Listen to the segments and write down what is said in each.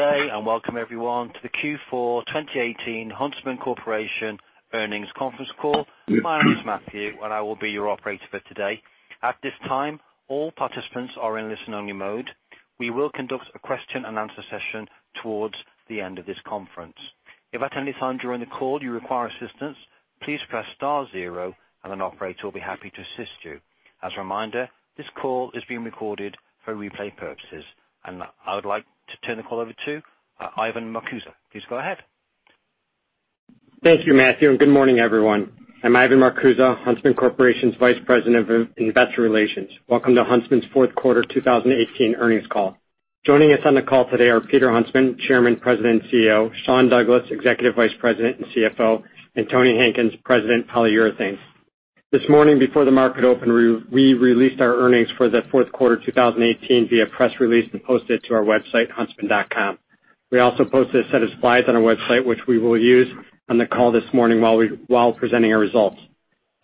Good day and welcome everyone to the Q4 2018 Huntsman Corporation earnings conference call. My name is Matthew and I will be your operator for today. At this time, all participants are in listen-only mode. We will conduct a question-and-answer session towards the end of this conference. If at any time during the call you require assistance, please press star zero and an operator will be happy to assist you. As a reminder, this call is being recorded for replay purposes. I would like to turn the call over to Ivan Marcuse. Please go ahead. Thank you, Matthew. Good morning, everyone. I'm Ivan Marcuse, Huntsman Corporation's Vice President of Investor Relations. Welcome to Huntsman's Q4 2018 earnings call. Joining us on the call today are Peter Huntsman, Chairman, President, and CEO, Sean Douglas, Executive Vice President and Chief Financial Officer, and Tony Hankins, President, Polyurethanes. This morning before the market opened, we released our earnings for the Q4 2018 via press release and posted it to our website, huntsman.com. We also posted a set of slides on our website which we will use on the call this morning while presenting our results.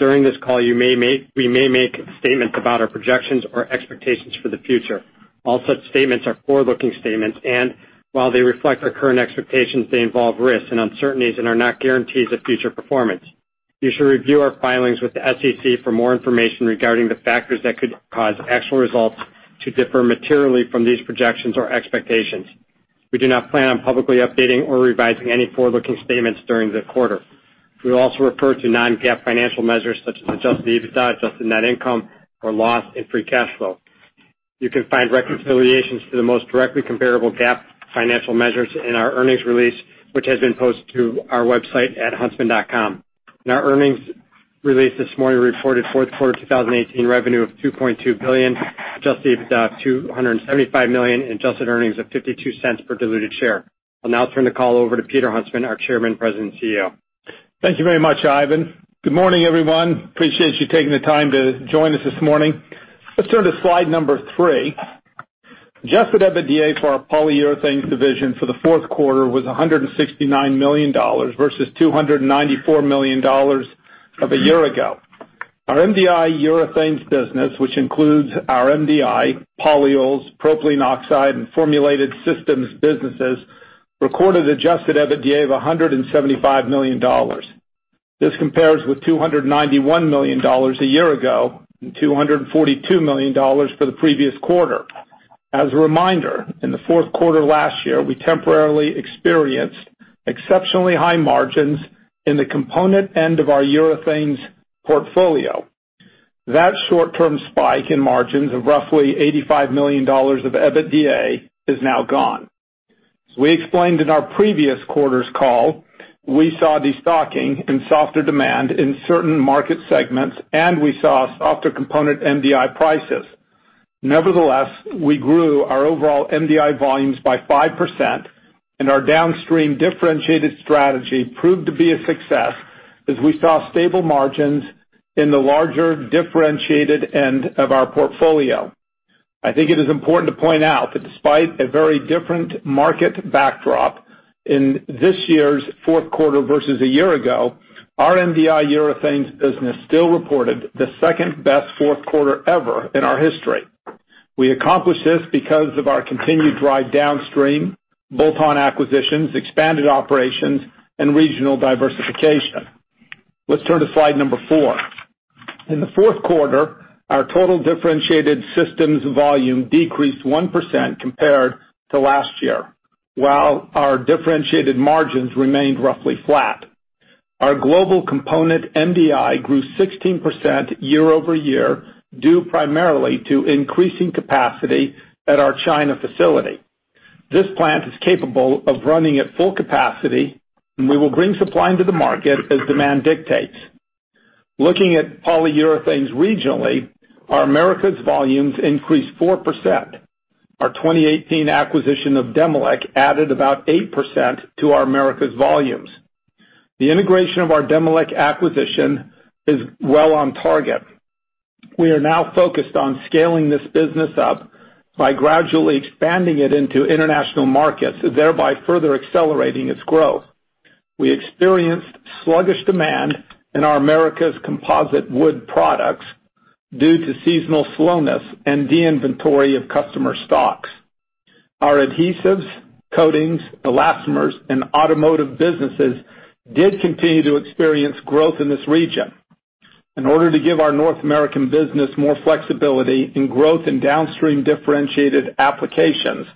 During this call, we may make statements about our projections or expectations for the future. All such statements are forward-looking statements. While they reflect our current expectations, they involve risks and uncertainties and are not guarantees of future performance. You should review our filings with the SEC for more information regarding the factors that could cause actual results to differ materially from these projections or expectations. We do not plan on publicly updating or revising any forward-looking statements during the quarter. We will also refer to non-GAAP financial measures such as adjusted EBITDA, adjusted net income or loss, and free cash flow. You can find reconciliations to the most directly comparable GAAP financial measures in our earnings release, which has been posted to our website at huntsman.com. In our earnings release this morning, we reported Q4 2018 revenue of $2.2 billion, adjusted EBITDA of $275 million, and adjusted earnings of $0.52 per diluted share. I'll now turn the call over to Peter Huntsman, our Chairman, President, and CEO. Thank you very much, Ivan. Good morning, everyone. Appreciate you taking the time to join us this morning. Let's turn to slide number three. Adjusted EBITDA for our Polyurethanes division for the Q4 was $169 million versus $294 million of a year ago. Our MDI urethanes business, which includes our MDI polyols, propylene oxide, and formulated systems businesses, recorded adjusted EBITDA of $175 million. This compares with $291 million a year ago, and $242 million for the previous quarter. As a reminder, in the Q4 last year, we temporarily experienced exceptionally high margins in the component end of our urethane's portfolio. That short-term spike in margins of roughly $85 million of EBITDA is now gone. As we explained in our previous quarter's call, we saw destocking and softer demand in certain market segments, and we saw softer component MDI prices. Nevertheless, we grew our overall MDI volumes by 5%, and our downstream differentiated strategy proved to be a success as we saw stable margins in the larger differentiated end of our portfolio. I think it is important to point out that despite a very different market backdrop in this year's Q4 versus a year ago, our MDI Polyurethanes business still reported the second-best Q4 ever in our history. We accomplished this because of our continued drive downstream, bolt-on acquisitions, expanded operations, and regional diversification. Let's turn to slide number four. In the Q4, our total differentiated systems volume decreased 1% compared to last year while our differentiated margins remained roughly flat. Our global component MDI grew 16% year-over-year due primarily to increasing capacity at our China facility. This plant is capable of running at full capacity. We will bring supply into the market as demand dictates. Looking at Polyurethanes regionally, our Americas volumes increased 4%. Our 2018 acquisition of Demilec added about 8% to our Americas volumes. The integration of our Demilec acquisition is well on target. We are now focused on scaling this business up by gradually expanding it into international markets, thereby further accelerating its growth. We experienced sluggish demand in our Americas composite wood products due to seasonal slowness and de-inventory of customer stocks. Our adhesives, coatings, elastomers, and automotive businesses did continue to experience growth in this region. In order to give our North American business more flexibility in growth in downstream differentiated applications,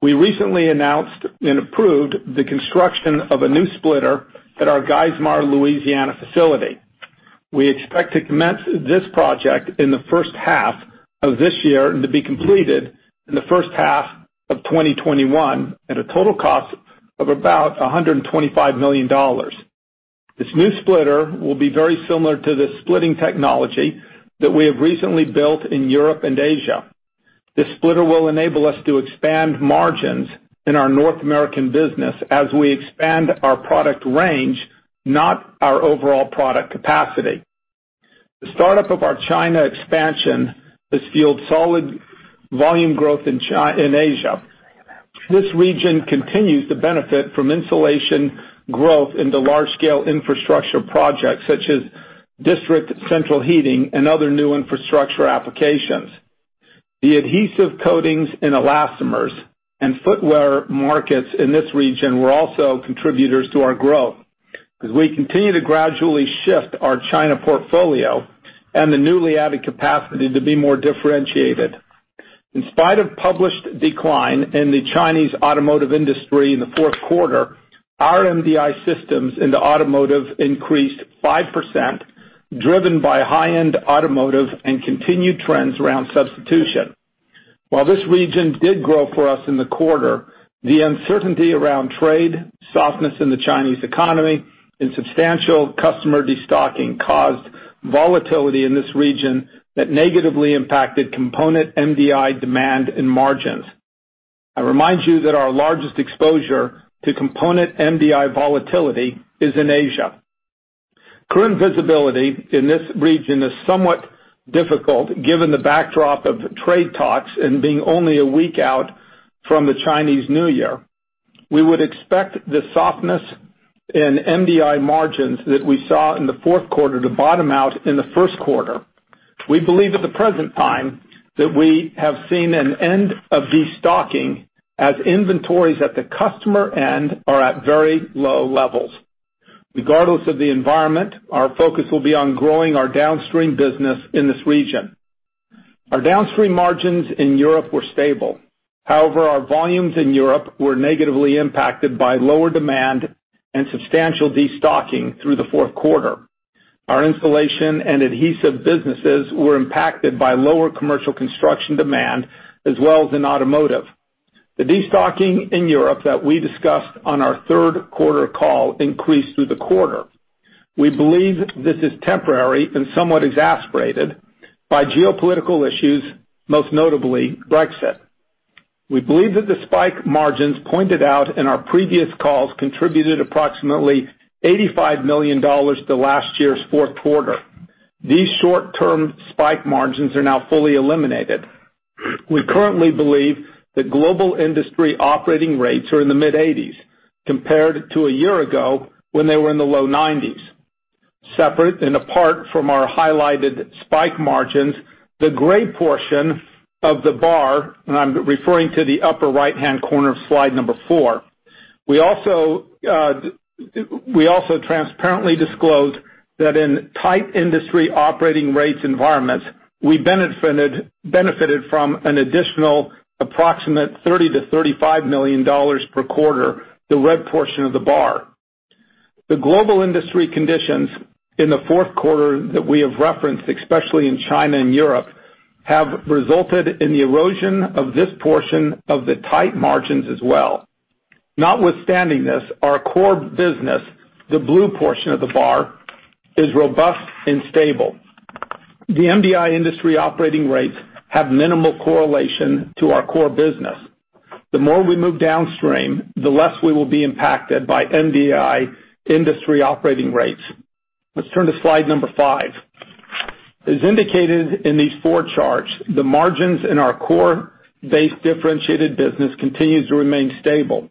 we recently announced and approved the construction of a new splitter at our Geismar, Louisiana facility. We expect to commence this project in the H1 of this year and to be completed in the H1 of 2021 at a total cost of about $125 million. This new splitter will be very similar to the splitting technology that we have recently built in Europe and Asia. This splitter will enable us to expand margins in our North American business as we expand our product range, not our overall product capacity. The startup of our China expansion has fueled solid volume growth in Asia. This region continues to benefit from insulation growth into large-scale infrastructure projects such as district central heating and other new infrastructure applications. The adhesive coatings in elastomers and footwear markets in this region were also contributors to our growth, as we continue to gradually shift our China portfolio and the newly added capacity to be more differentiated. In spite of published decline in the Chinese automotive industry in the Q4, our MDI systems in the automotive increased 5%, driven by high-end automotive and continued trends around substitution. This region did grow for us in the quarter, the uncertainty around trade, softness in the Chinese economy, and substantial customer destocking caused volatility in this region that negatively impacted component MDI demand and margins. I remind you that our largest exposure to component MDI volatility is in Asia. Current visibility in this region is somewhat difficult given the backdrop of trade talks and being only a week out from the Chinese New Year. We would expect the softness in MDI margins that we saw in the Q4 to bottom out in the Q1. We believe at the present time that we have seen an end of destocking as inventories at the customer end are at very low levels. Regardless of the environment, our focus will be on growing our downstream business in this region. Our downstream margins in Europe were stable. However, our volumes in Europe were negatively impacted by lower demand and substantial destocking through the Q4. Our installation and adhesive businesses were impacted by lower commercial construction demand, as well as in automotive. The destocking in Europe that we discussed on our Q3 call increased through the quarter. We believe this is temporary and somewhat exacerbated by geopolitical issues, most notably Brexit. We believe that the spike margins pointed out in our previous calls contributed approximately $85 million to last year's Q4. These short-term spike margins are now fully eliminated. We currently believe that global industry operating rates are in the mid-80s compared to a year ago when they were in the low 90s. Separate and apart from our highlighted spike margins, the gray portion of the bar, and I'm referring to the upper right-hand corner of slide number four. We also transparently disclosed that in tight industry operating rates environments, we benefited from an additional approximate $30-$35 million per quarter, the red portion of the bar. The global industry conditions in the Q4 that we have referenced, especially in China and Europe, have resulted in the erosion of this portion of the tight margins as well. Notwithstanding this, our core business, the blue portion of the bar, is robust and stable. The MDI industry operating rates have minimal correlation to our core business. The more we move downstream, the less we will be impacted by MDI industry operating rates. Let's turn to slide number five. As indicated in these four charts, the margins in our core base differentiated business continues to remain stable.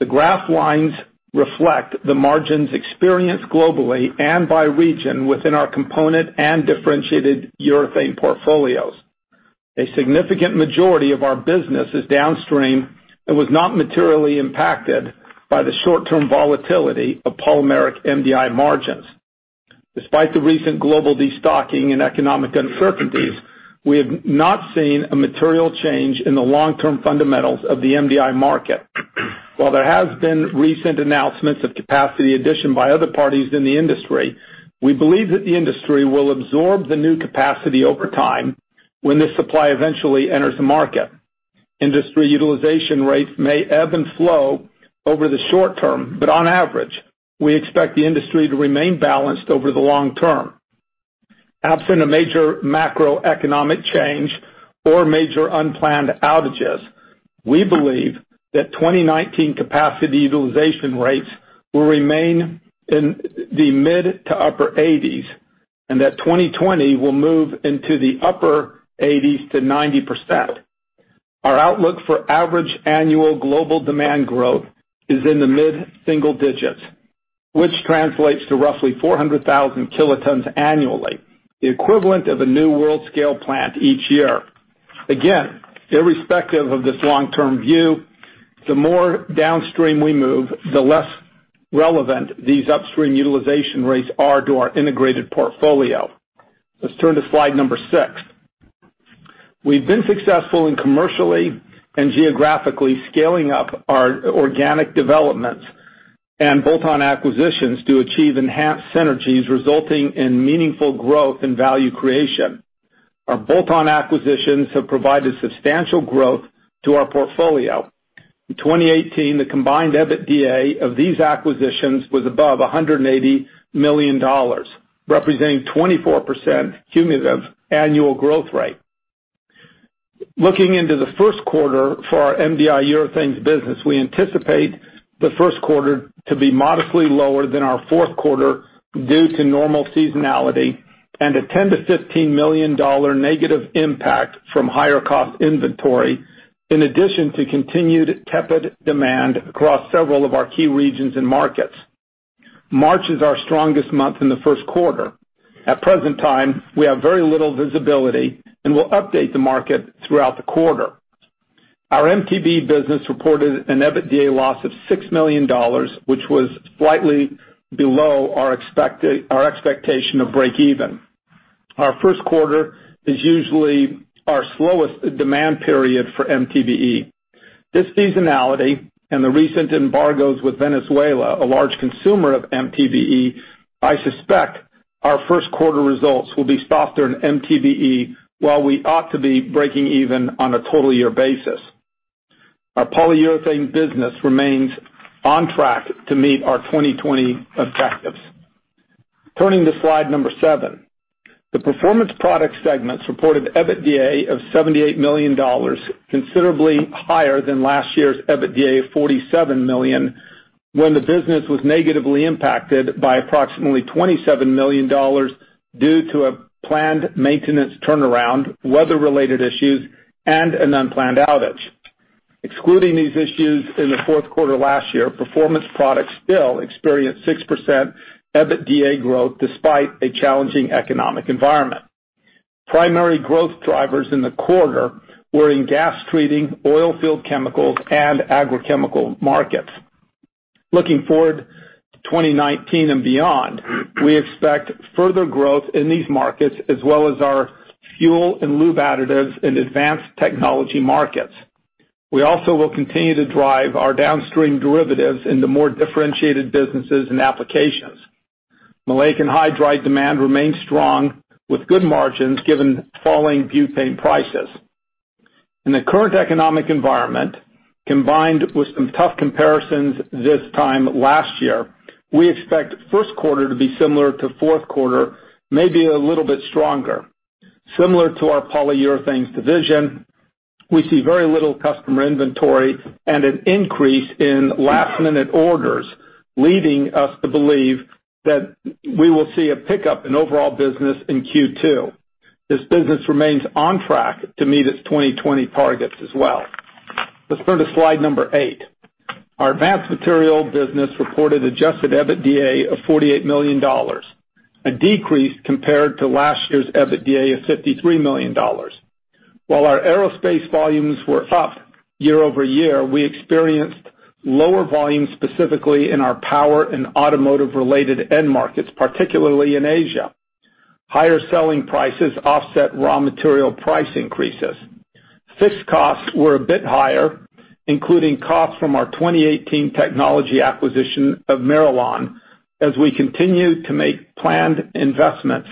The graph lines reflect the margins experienced globally and by region within our component and differentiated urethane portfolios. A significant majority of our business is downstream and was not materially impacted by the short-term volatility of polymeric MDI margins. Despite the recent global destocking and economic uncertainties, we have not seen a material change in the long-term fundamentals of the MDI market. While there has been recent announcements of capacity addition by other parties in the industry, we believe that the industry will absorb the new capacity over time when this supply eventually enters the market. Industry utilization rates may ebb and flow over the short term, but on average, we expect the industry to remain balanced over the long term. Absent a major macroeconomic change or major unplanned outages, we believe that 2019 capacity utilization rates will remain in the mid to upper 80s, and that 2020 will move into the upper 80s to 90%. Our outlook for average annual global demand growth is in the mid-single digits, which translates to roughly 400,000 kilotons annually, the equivalent of a new world scale plant each year. Again, irrespective of this long-term view, the more downstream we move, the less relevant these upstream utilization rates are to our integrated portfolio. Let's turn to slide number six. We've been successful in commercially and geographically scaling up our organic developments and bolt-on acquisitions to achieve enhanced synergies, resulting in meaningful growth and value creation. Our bolt-on acquisitions have provided substantial growth to our portfolio. In 2018, the combined EBITDA of these acquisitions was above $180 million, representing 24% cumulative annual growth rate. Looking into the Q1 for our MDI urethanes business, we anticipate the Q1 to be modestly lower than our Q4 due to normal seasonality. A $10-$15 million negative impact from higher cost inventory, in addition to continued tepid demand across several of our key regions and markets. March is our strongest month in the Q1. At present time, we have very little visibility, and we will update the market throughout the quarter. Our MTBE business reported an EBITDA loss of $6 million, which was slightly below our expectation of breakeven. Our Q1 is usually our slowest demand period for MTBE. This seasonality and the recent embargoes with Venezuela, a large consumer of MTBE, I suspect our Q1 results will be softer in MTBE, while we ought to be breaking even on a total year basis. Our Polyurethanes business remains on track to meet our 2020 objectives. Turning to slide number seven. The Performance Products segment reported EBITDA of $78 million, considerably higher than last year's EBITDA of $47 million, when the business was negatively impacted by approximately $27 million due to a planned maintenance turnaround, weather-related issues, and an unplanned outage. Excluding these issues in the Q4 last year, Performance Products still experienced 6% EBITDA growth despite a challenging economic environment. Primary growth drivers in the quarter were in gas treating, oilfield chemicals, and agrochemical markets. Looking forward to 2019 and beyond, we expect further growth in these markets, as well as our fuel and lube additives in advanced technology markets. We also will continue to drive our downstream derivatives into more differentiated businesses and applications. Maleic anhydride demand remains strong with good margins, given falling butane prices. In the current economic environment, combined with some tough comparisons this time last year, we expect Q1 to be similar to Q4, maybe a little bit stronger. Similar to our Polyurethanes division, we see very little customer inventory and an increase in last-minute orders, leading us to believe that we will see a pickup in overall business in Q2. This business remains on track to meet its 2020 targets as well. Let's turn to slide number eight. Our Advanced Materials business reported adjusted EBITDA of $48 million, a decrease compared to last year's EBITDA of $53 million. While our aerospace volumes were up year-over-year, we experienced lower volumes, specifically in our power and automotive-related end markets, particularly in Asia. Higher selling prices offset raw material price increases. Fixed costs were a bit higher, including costs from our 2018 technology acquisition of MIRALON, as we continue to make planned investments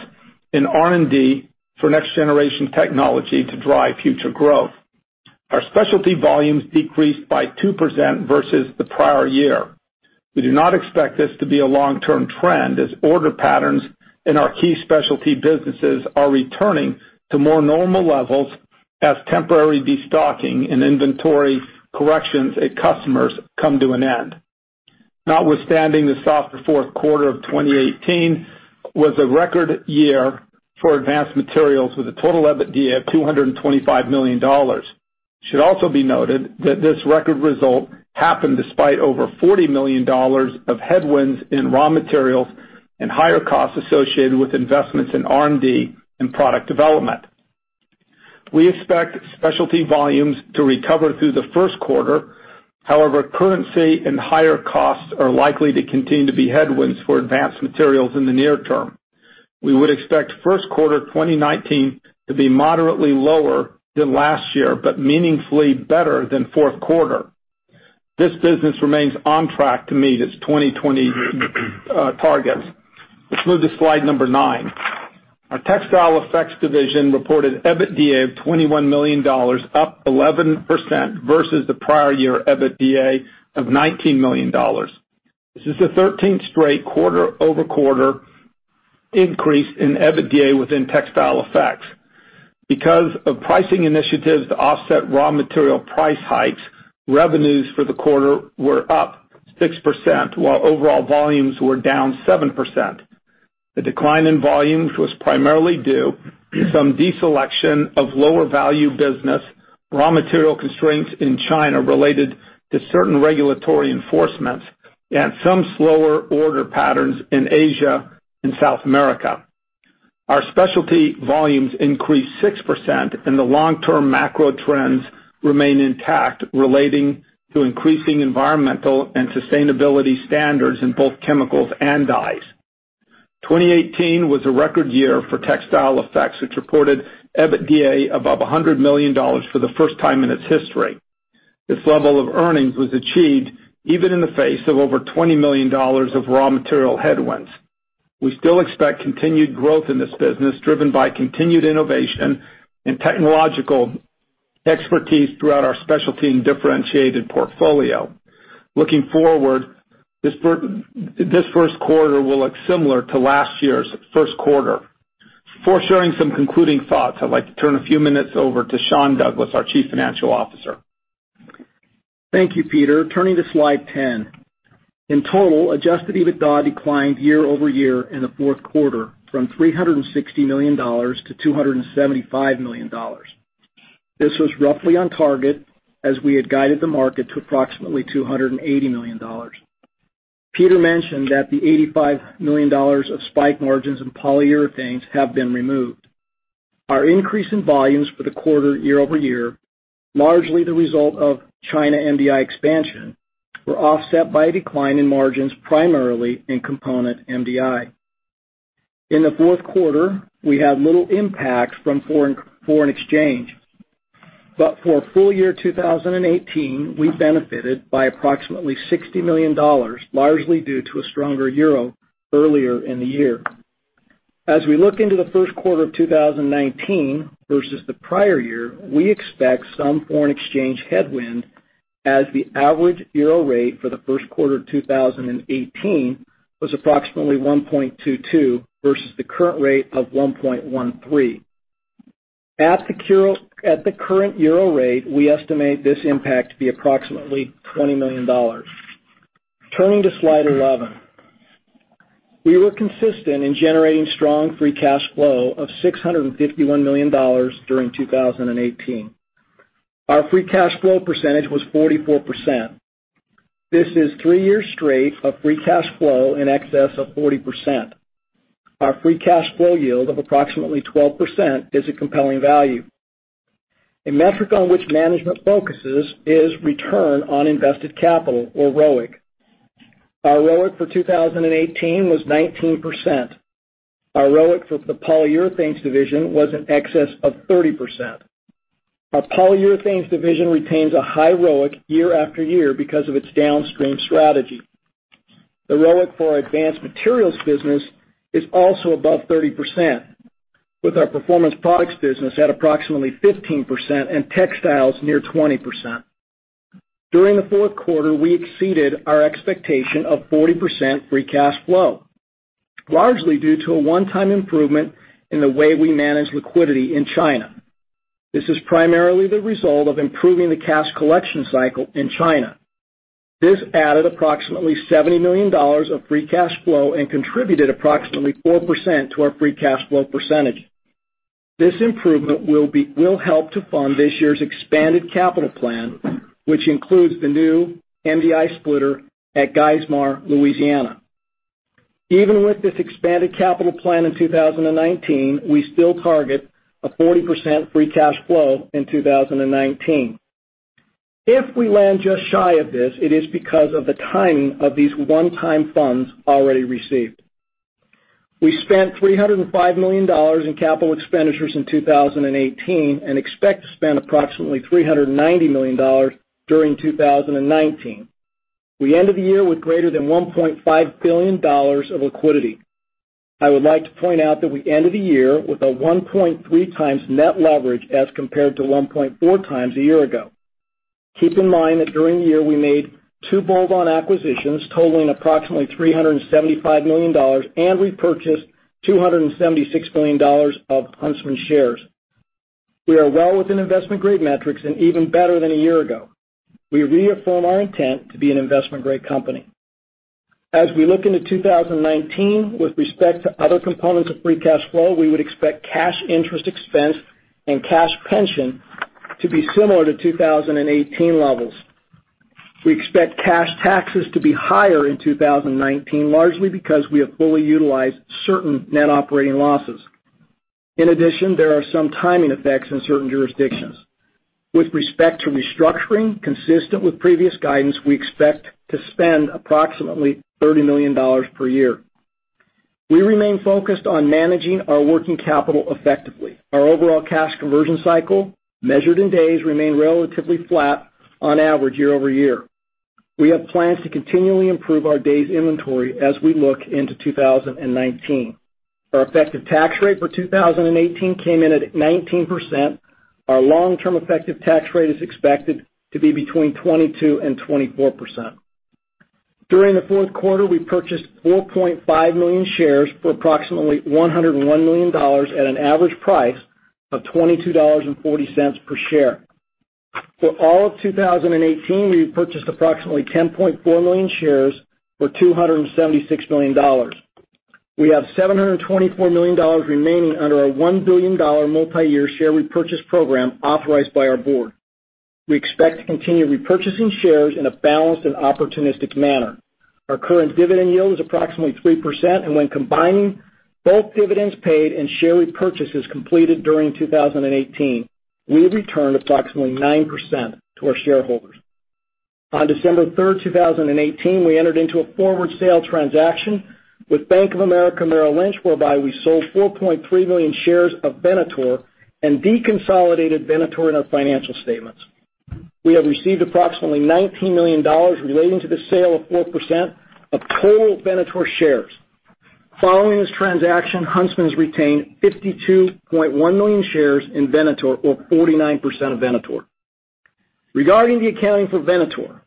in R&D for next-generation technology to drive future growth. Our specialty volumes decreased by 2% versus the prior year. We do not expect this to be a long-term trend, as order patterns in our key specialty businesses are returning to more normal levels as temporary destocking and inventory corrections at customers come to an end. Notwithstanding the softer Q4 of 2018, was a record year for Advanced Materials, with a total EBITDA of $225 million. It should also be noted that this record result happened despite over $40 million of headwinds in raw materials and higher costs associated with investments in R&D and product development. We expect specialty volumes to recover through the Q1. However, currency and higher costs are likely to continue to be headwinds for Advanced Materials in the near term. We would expect Q1 2019 to be moderately lower than last year, but meaningfully better than Q4. This business remains on track to meet its 2020 targets. Let's move to slide number nine. Our Textile Effects division reported EBITDA of $21 million, up 11% versus the prior year EBITDA of $19 million. This is the 13th straight quarter-over-quarter increase in EBITDA within Textile Effects. Because of pricing initiatives to offset raw material price hikes, revenues for the quarter were up 6%, while overall volumes were down 7%. The decline in volume was primarily due some deselection of lower value business, raw material constraints in China related to certain regulatory enforcements, and some slower order patterns in Asia and South America. Our specialty volumes increased 6%, and the long-term macro trends remain intact relating to increasing environmental and sustainability standards in both chemicals and dyes. 2018 was a record year for Textile Effects, which reported EBITDA above $100 million for the first time in its history. This level of earnings was achieved even in the face of over $20 million of raw material headwinds. We still expect continued growth in this business, driven by continued innovation and technological expertise throughout our specialty and differentiated portfolio. Looking forward, this Q1 will look similar to last year's Q1. Before sharing some concluding thoughts, I'd like to turn a few minutes over to Sean Douglas, our Chief Financial Officer. Thank you, Peter. Turning to slide 10. In total, adjusted EBITDA declined year-over-year in the Q4 from $360-$275 million. This was roughly on target as we had guided the market to approximately $280 million. Peter mentioned that the $85 million of spike margins in Polyurethanes have been removed. Our increase in volumes for the quarter year-over-year, largely the result of China MDI expansion, were offset by a decline in margins, primarily in component MDI. In the Q4, we had little impact from foreign exchange. For full year 2018, we benefited by approximately $60 million, largely due to a stronger euro earlier in the year. As we look into the Q1 of 2019 versus the prior year, we expect some foreign exchange headwind as the average euro rate for the Q1 2018 was approximately 1.22 versus the current rate of 1.13. At the current euro rate, we estimate this impact to be approximately $20 million. Turning to slide 11. We were consistent in generating strong free cash flow of $651 million during 2018. Our free cash flow percentage was 44%. This is three years straight of free cash flow in excess of 40%. Our free cash flow yield of approximately 12% is a compelling value. A metric on which management focuses is return on invested capital, or ROIC. Our ROIC for 2018 was 19%. Our ROIC for the Polyurethanes division was in excess of 30%. Our Polyurethanes division retains a high ROIC year after year because of its downstream strategy. The ROIC for Advanced Materials business is also above 30%, with our Performance Products business at approximately 15% and Textile Effects near 20%. During the Q4, we exceeded our expectation of 40% free cash flow, largely due to a one-time improvement in the way we manage liquidity in China. This is primarily the result of improving the cash collection cycle in China. This added approximately $70 million of free cash flow and contributed approximately 4% to our free cash flow percentage. This improvement will help to fund this year's expanded capital plan, which includes the new MDI splitter at Geismar, Louisiana. Even with this expanded capital plan in 2019, we still target a 40% free cash flow in 2019. If we land just shy of this, it is because of the timing of these one-time funds already received. We spent $305 million in capital expenditures in 2018 and expect to spend approximately $390 million during 2019. We end the year with greater than $1.5 billion of liquidity. I would like to point out that we ended the year with a 1.3 times net leverage as compared to 1.4 times a year ago. Keep in mind that during the year, we made two bolt-on acquisitions totaling approximately $375 million and repurchased $276 million of Huntsman shares. We are well within investment-grade metrics and even better than a year ago. We reaffirm our intent to be an investment-grade company. As we look into 2019 with respect to other components of free cash flow, we would expect cash interest expense and cash pension to be similar to 2018 levels. We expect cash taxes to be higher in 2019, largely because we have fully utilized certain net operating losses. In addition, there are some timing effects in certain jurisdictions. With respect to restructuring, consistent with previous guidance, we expect to spend approximately $30 million per year. We remain focused on managing our working capital effectively. Our overall cash conversion cycle, measured in days, remain relatively flat on average year-over-year. We have plans to continually improve our days inventory as we look into 2019. Our effective tax rate for 2018 came in at 19%. Our long-term effective tax rate is expected to be between 22%-24%. During the Q4, we purchased 4.5 million shares for approximately $101 million at an average price of $22.40 per share. For all of 2018, we purchased approximately 10.4 million shares for $276 million. We have $724 million remaining under our $1 billion multi-year share repurchase program authorized by our board. We expect to continue repurchasing shares in a balanced and opportunistic manner. Our current dividend yield is approximately 3%, and when combining both dividends paid and share repurchases completed during 2018, we returned approximately 9% to our shareholders. On December 3rd, 2018, we entered into a forward sale transaction with Bank of America Merrill Lynch, whereby we sold 4.3 million shares of Venator and deconsolidated Venator in our financial statements. We have received approximately $19 million relating to the sale of 4% of total Venator shares. Following this transaction, Huntsman has retained 52.1 million shares in Venator or 49% of Venator. Regarding the accounting for Venator.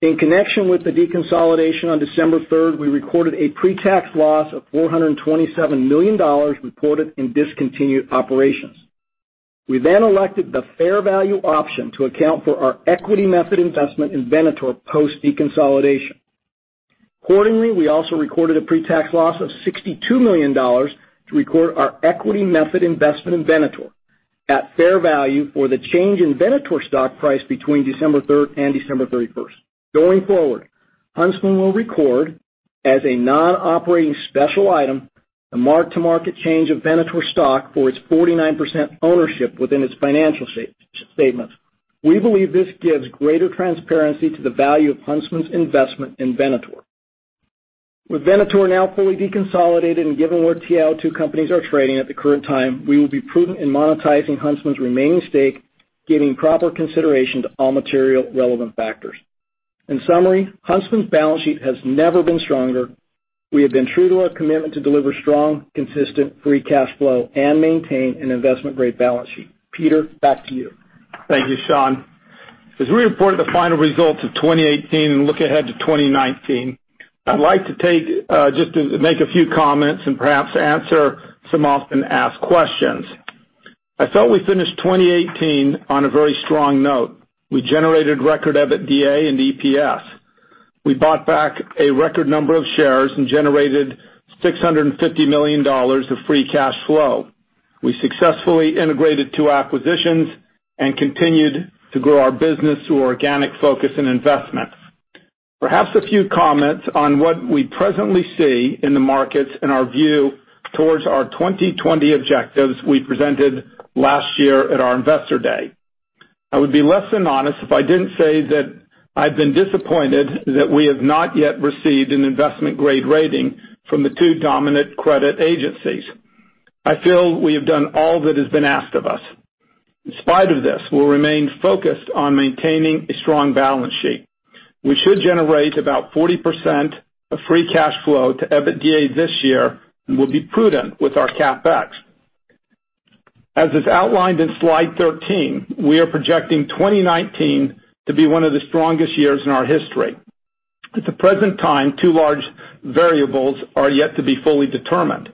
In connection with the deconsolidation on December 3rd, we recorded a pre-tax loss of $427 million reported in discontinued operations. We then elected the fair value option to account for our equity method investment in Venator post deconsolidation. We also recorded a pre-tax loss of $62 million to record our equity method investment in Venator at fair value for the change in Venator's stock price between December 3rd and December 31st. Going forward, Huntsman will record as a non-operating special item, a mark-to-market change of Venator stock for its 49% ownership within its financial statements. We believe this gives greater transparency to the value of Huntsman's investment in Venator. With Venator now fully deconsolidated and given where TiO2 companies are trading at the current time, we will be prudent in monetizing Huntsman's remaining stake, giving proper consideration to all material relevant factors. In summary, Huntsman's balance sheet has never been stronger. We have been true to our commitment to deliver strong, consistent free cash flow and maintain an investment-grade balance sheet. Peter, back to you. Thank you, Sean. As we report the final results of 2018 and look ahead to 2019, I'd like to just make a few comments and perhaps answer some often-asked questions. I thought we finished 2018 on a very strong note. We generated record EBITDA and EPS. We bought back a record number of shares and generated $650 million of free cash flow. We successfully integrated two acquisitions and continued to grow our business through organic focus and investments. Perhaps a few comments on what we presently see in the markets and our view towards our 2020 objectives we presented last year at our Investor Day. I would be less than honest if I didn't say that I've been disappointed that we have not yet received an investment-grade rating from the two dominant credit agencies. I feel we have done all that has been asked of us. We'll remain focused on maintaining a strong balance sheet. We should generate about 40% of free cash flow to EBITDA this year and will be prudent with our CapEx. As is outlined in slide 13, we are projecting 2019 to be one of the strongest years in our history. At the present time, two large variables are yet to be fully determined.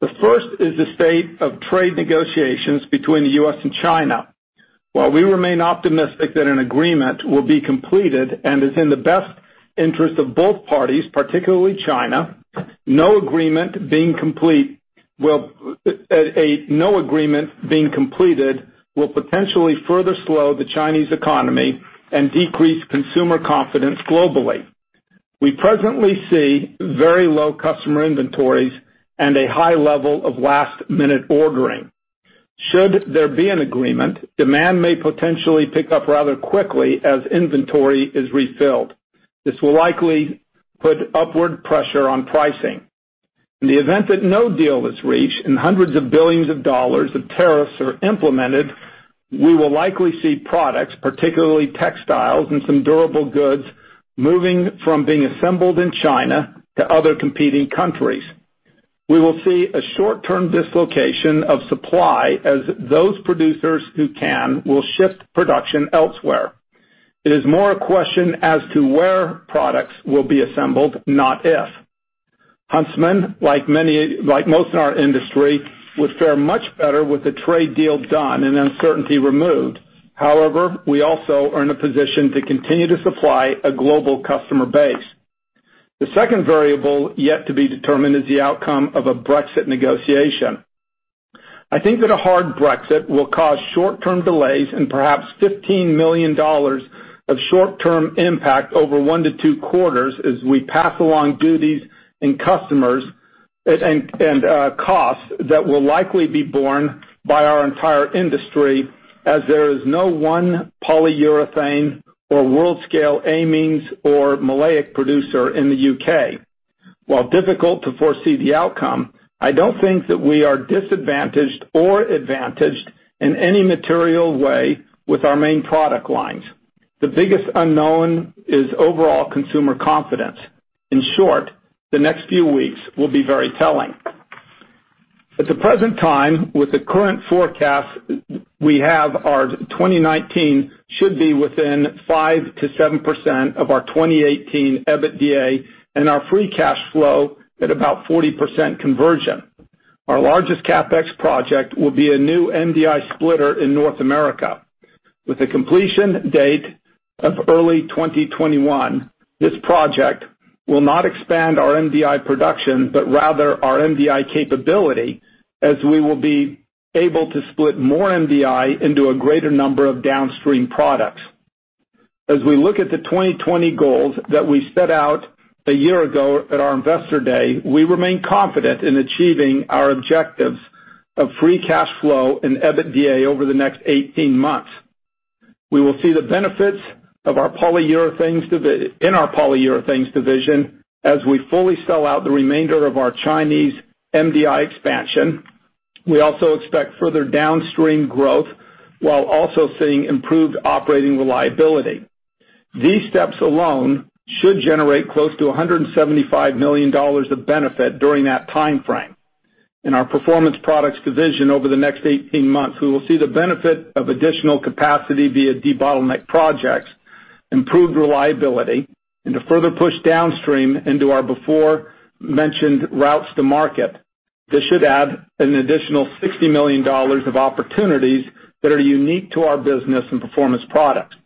The first is the state of trade negotiations between the U.S. and China. While we remain optimistic that an agreement will be completed and is in the best interest of both parties, particularly China, no agreement being completed will potentially further slow the Chinese economy and decrease consumer confidence globally. We presently see very low customer inventories and a high level of last-minute ordering. Should there be an agreement, demand may potentially pick up rather quickly as inventory is refilled. This will likely put upward pressure on pricing. In the event that no deal is reached and hundreds of billions of dollars of tariffs are implemented, we will likely see products, particularly textiles and some durable goods, moving from being assembled in China to other competing countries. We will see a short-term dislocation of supply as those producers who can will shift production elsewhere. It is more a question as to where products will be assembled, not if. Huntsman, like most in our industry, would fare much better with a trade deal done and uncertainty removed. We also are in a position to continue to supply a global customer base. The second variable yet to be determined is the outcome of a Brexit negotiation. I think that a hard Brexit will cause short-term delays and perhaps $15 million of short-term impact over one to two quarters as we pass along duties in customers and costs that will likely be borne by our entire industry as there is no one polyurethane or world scale amines or maleic producer in the U.K. While difficult to foresee the outcome, I don't think that we are disadvantaged or advantaged in any material way with our main product lines. The biggest unknown is overall consumer confidence. In short, the next few weeks will be very telling. At the present time, with the current forecast we have, our 2019 should be within 5%-7% of our 2018 EBITDA and our free cash flow at about 40% conversion. Our largest CapEx project will be a new MDI splitter in North America. With a completion date of early 2021, this project will not expand our MDI production, but rather our MDI capability, as we will be able to split more MDI into a greater number of downstream products. As we look at the 2020 goals that we set out a year ago at our Investor Day, we remain confident in achieving our objectives of free cash flow and EBITDA over the next 18 months. We will see the benefits in our Polyurethanes division as we fully sell out the remainder of our Chinese MDI expansion. We also expect further downstream growth while also seeing improved operating reliability. These steps alone should generate close to $175 million of benefit during that time frame. In our Performance Products division over the next 18 months, we will see the benefit of additional capacity via debottleneck projects, improved reliability, and a further push downstream into our before-mentioned routes to market. This should add an additional $60 million of opportunities that are unique to our business and Performance Products.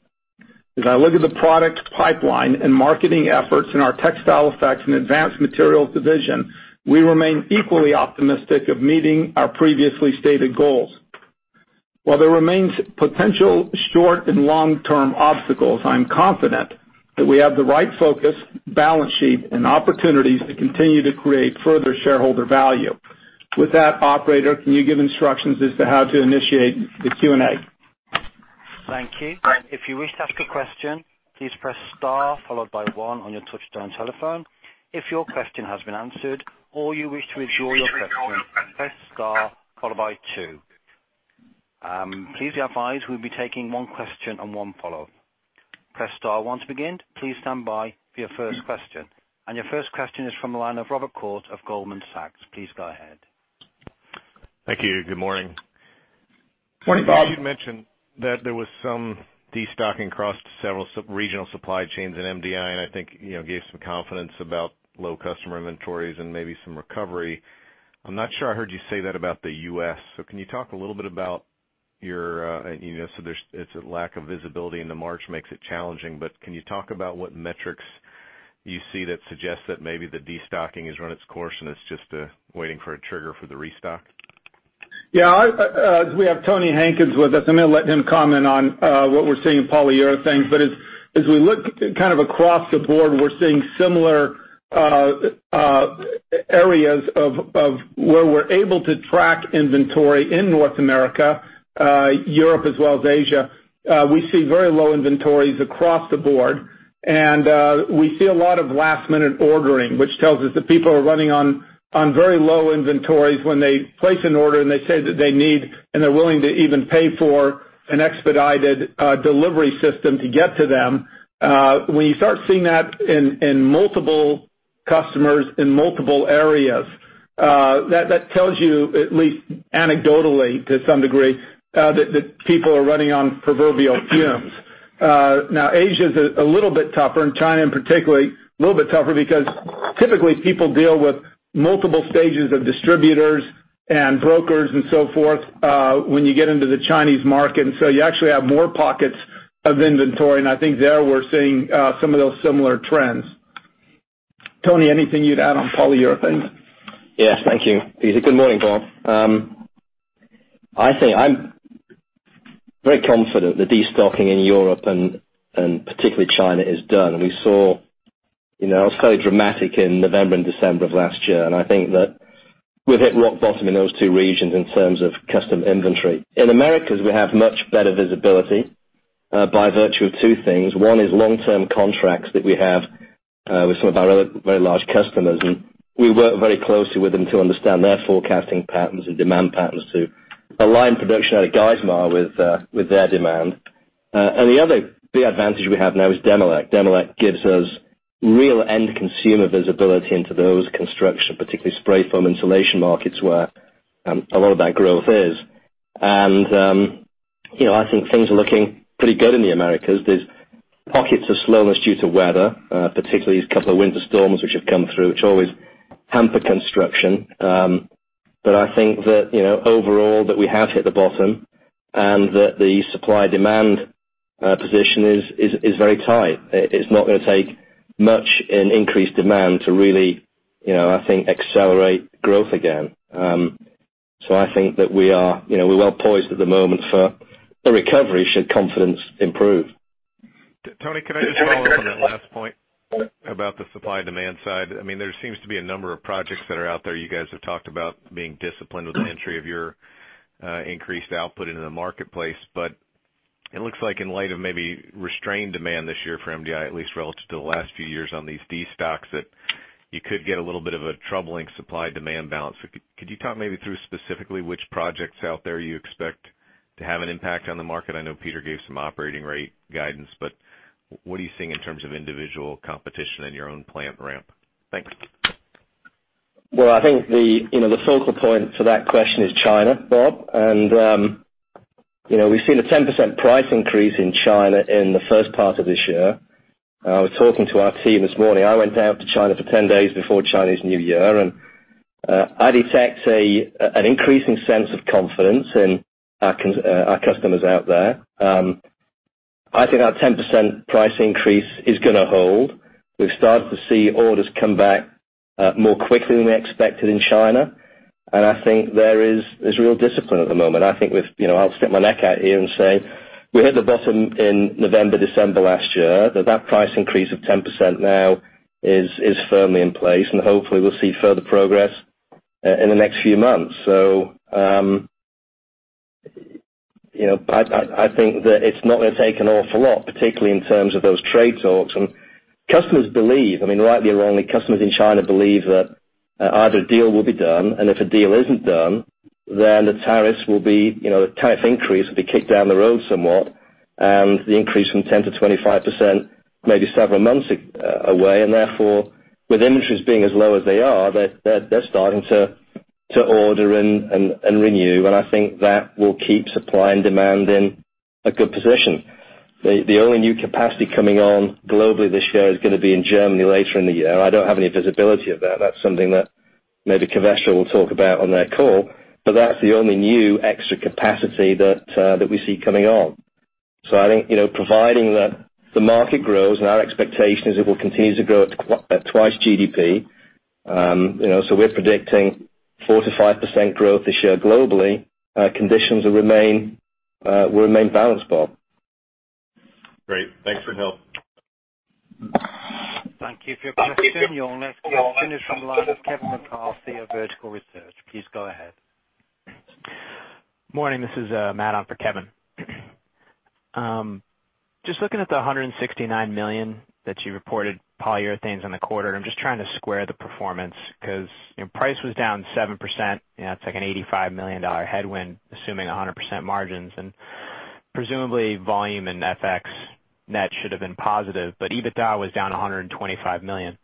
As I look at the product pipeline and marketing efforts in our Textile Effects and Advanced Materials division, we remain equally optimistic of meeting our previously stated goals. While there remains potential short and long-term obstacles, I'm confident that we have the right focus, balance sheet, and opportunities to continue to create further shareholder value. With that, operator, can you give instructions as to how to initiate the Q&A? Thank you. If you wish to ask a question, please press star followed by one on your touchtone telephone. If your question has been answered or you wish to withdraw your question, press star followed by two. Please be advised we'll be taking one question and one follow-up. Press star one to begin. Please stand by for your first question. Your first question is from the line of Bob Koort of Goldman Sachs. Please go ahead. Thank you. Good morning. Good morning, Bob. You mentioned that there was some destocking across several regional supply chains in MDI, and I think gave some confidence about low customer inventories and maybe some recovery. I'm not sure I heard you say that about the U.S. Can you talk a little bit about your, it's a lack of visibility into March makes it challenging, can you talk about what metrics you see that suggest that maybe the destocking has run its course and it's just waiting for a trigger for the restock? Yeah. We have Tony Hankins with us. I'm going to let him comment on what we're seeing in Polyurethanes. As we look kind of across the board, we're seeing similar areas of where we're able to track inventory in North America, Europe, as well as Asia. We see very low inventories across the board, and we see a lot of last-minute ordering, which tells us that people are running on very low inventories when they place an order, and they say that they need and they're willing to even pay for an expedited delivery system to get to them. When you start seeing that in multiple customers in multiple areas, that tells you, at least anecdotally to some degree, that people are running on proverbial fumes. Asia's a little bit tougher, and China in particular, a little bit tougher because typically people deal with multiple stages of distributors and brokers and so forth, when you get into the Chinese market, and so you actually have more pockets of inventory, and I think there we're seeing some of those similar trends. Tony, anything you'd add on Polyurethanes? Yes, thank you. Good morning, Bob. I'd say I'm very confident the destocking in Europe, and particularly China, is done. We saw it was very dramatic in November and December of last year, and I think that we've hit rock bottom in those two regions in terms of custom inventory. In Americas, we have much better visibility, by virtue of two things. One is long-term contracts that we have with some of our very large customers, and we work very closely with them to understand their forecasting patterns and demand patterns to align production out of Geismar with their demand. The other big advantage we have now is Demilec. Demilec gives us real end consumer visibility into that construction, particularly spray foam insulation markets, where a lot of that growth is. I think things are looking pretty good in the Americas. There's pockets of slowness due to weather, particularly these couple of winter storms which have come through, which always hamper construction. I think that overall that we have hit the bottom and that the supply-demand position is very tight. It's not going to take much in increased demand to really I think accelerate growth again. I think that we are well poised at the moment for a recovery should confidence improve. Tony, can I just follow up on that last point about the supply-demand side? There seems to be a number of projects that are out there. You guys have talked about being disciplined with the entry of your increased output into the marketplace. It looks like in light of maybe restrained demand this year for MDI, at least relative to the last few years on these destocks, that you could get a little bit of a troubling supply-demand balance. Could you talk maybe through specifically which projects out there you expect to have an impact on the market? I know Peter gave some operating rate guidance, but what are you seeing in terms of individual competition in your own plant ramp? Thanks. Well, I think the focal point for that question is China, Bob. We've seen a 10% price increase in China in the first part of this year. I was talking to our team this morning. I went out to China for 10 days before Chinese New Year, I detect an increasing sense of confidence in our customers out there. I think our 10% price increase is going to hold. We've started to see orders come back more quickly than we expected in China, I think there is real discipline at the moment. I think I'll stick my neck out here and say we hit the bottom in November, December last year. That price increase of 10% now is firmly in place, hopefully we'll see further progress in the next few months. I think that it's not going to take an awful lot, particularly in terms of those trade talks. Customers believe, rightly or wrongly, customers in China believe that either a deal will be done, if a deal isn't done, the tariff increase will be kicked down the road somewhat. The increase from 10%-25%, may be several months away, therefore with industries being as low as they are, they're starting to order and renew. I think that will keep supply and demand in a good position. The only new capacity coming on globally this year is going to be in Germany later in the year. I don't have any visibility of that. That's something that maybe Covestro will talk about on their call, but that's the only new extra capacity that we see coming on. I think, providing that the market grows, our expectation is it will continue to grow at twice GDP. We're predicting 4%-5% growth this year globally. Conditions will remain balanced, Bob. Great, thanks for the help. Thank you for your question. Your next question is from the line of Kevin McCarthy of Vertical Research. Please go ahead. Morning. This is Matt on for Kevin. Looking at the $169 million that you reported Polyurethanes in the quarter, I'm trying to square the performance because price was down 7%, it's like an $85 million headwind, assuming 100% margins. Presumably volume and FX net should have been positive, EBITDA was down $125 million.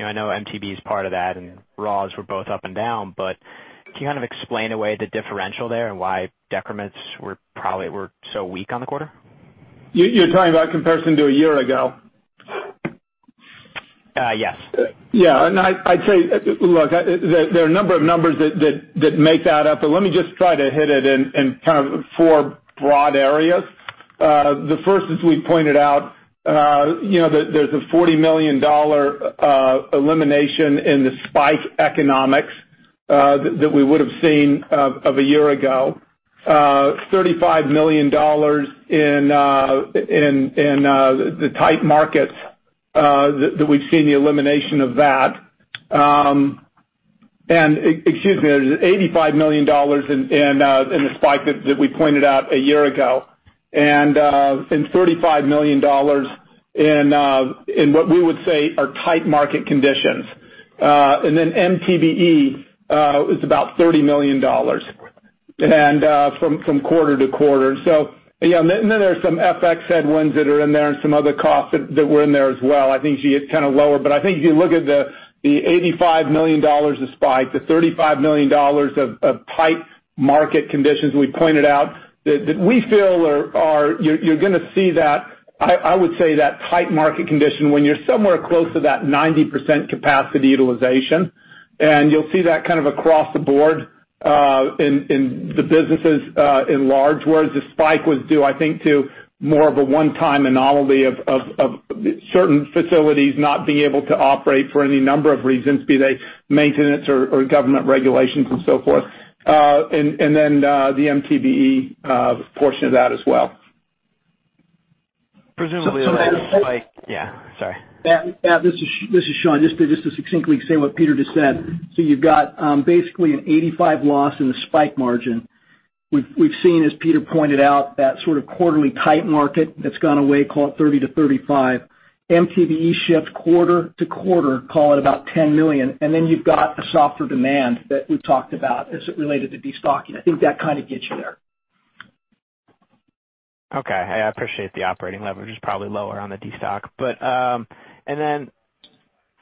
I know MTBE is part of that and raws were both up and down, can you kind of explain away the differential there and why decrements were so weak on the quarter? You're talking about comparison to a year ago? Yes. Yeah. I'd say, look, there are a number of numbers that make that up, let me just try to hit it in kind of four broad areas. The first is, we pointed out there's a $40 million elimination in the spike economics that we would have seen of a year ago. $35 million in the tight markets that we've seen the elimination of that. Excuse me, there's $85 million in the spike that we pointed out a year ago, $35 million in what we would say are tight market conditions. MTBE is about $30 million from quarter-to-quarter. Yeah, there's some FX headwinds that are in there and some other costs that were in there as well. I think it's kind of lower. I think if you look at the $85 million of spike, the $35 million of tight market conditions we pointed out, that we feel you're going to see that, I would say that tight market condition when you're somewhere close to that 90% capacity utilization, and you'll see that kind of across the board in the businesses in large. Whereas the spike was due, I think, to more of a one-time anomaly of certain facilities not being able to operate for any number of reasons, be they maintenance or government regulations and so forth. The MTBE portion of that as well. Yeah, sorry. Matt, this is Sean, just to succinctly say what Peter just said. You've got basically an $85 loss in the spike margin. We've seen, as Peter pointed out, that sort of quarterly tight market that's gone away, call it $30-$35. MTBE shift quarter-to-quarter, call it about $10 million. You've got a softer demand that we've talked about as it related to de-stocking. I think that kind of gets you there. Okay. I appreciate the operating leverage is probably lower on the de-stock. Then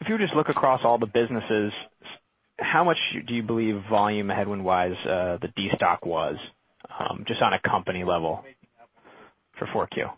if you just look across all the businesses, how much do you believe volume headwind-wise the de-stock was, just on a company level for 4Q?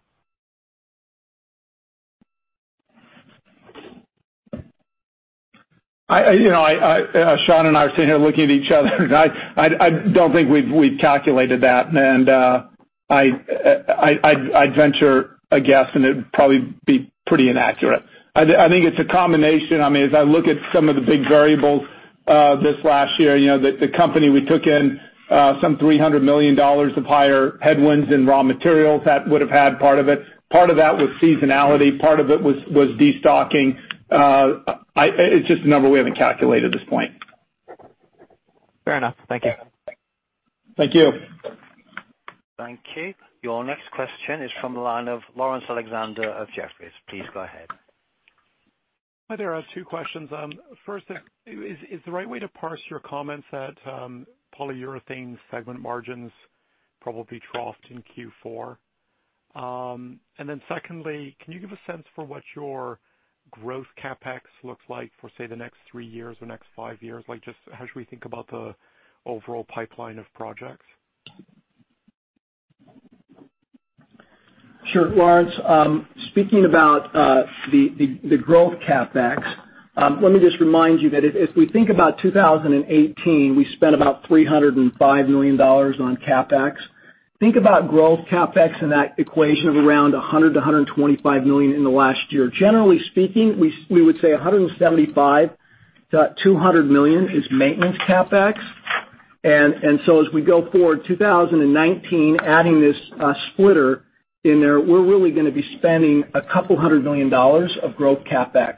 Sean and I are sitting here looking at each other, I don't think we've calculated that. I'd venture a guess, and it'd probably be pretty inaccurate. I think it's a combination. As I look at some of the big variables this last year, the company we took in some $300 million of higher headwinds in raw materials, that would have had part of it. Part of that was seasonality, part of it was de-stocking. It's just a number we haven't calculated at this point. Fair enough. Thank you. Thank you. Thank you. Your next question is from the line of Laurence Alexander of Jefferies. Please go ahead. Hi there. Two questions. First, is the right way to parse your comments that Polyurethanes segment margins probably troughed in Q4? Secondly, can you give a sense for what your growth CapEx looks like for, say, the next three years or next five years? Just how should we think about the overall pipeline of projects? Sure. Laurence, speaking about the growth CapEx, let me just remind you that if we think about 2018, we spent about $305 million on CapEx. Think about growth CapEx in that equation of around $100-$125 million in the last year. Generally speaking, we would say $175-$200 million is maintenance CapEx. As we go forward, 2019, adding this splitter in there, we're really going to be spending a couple hundred million dollars of growth CapEx.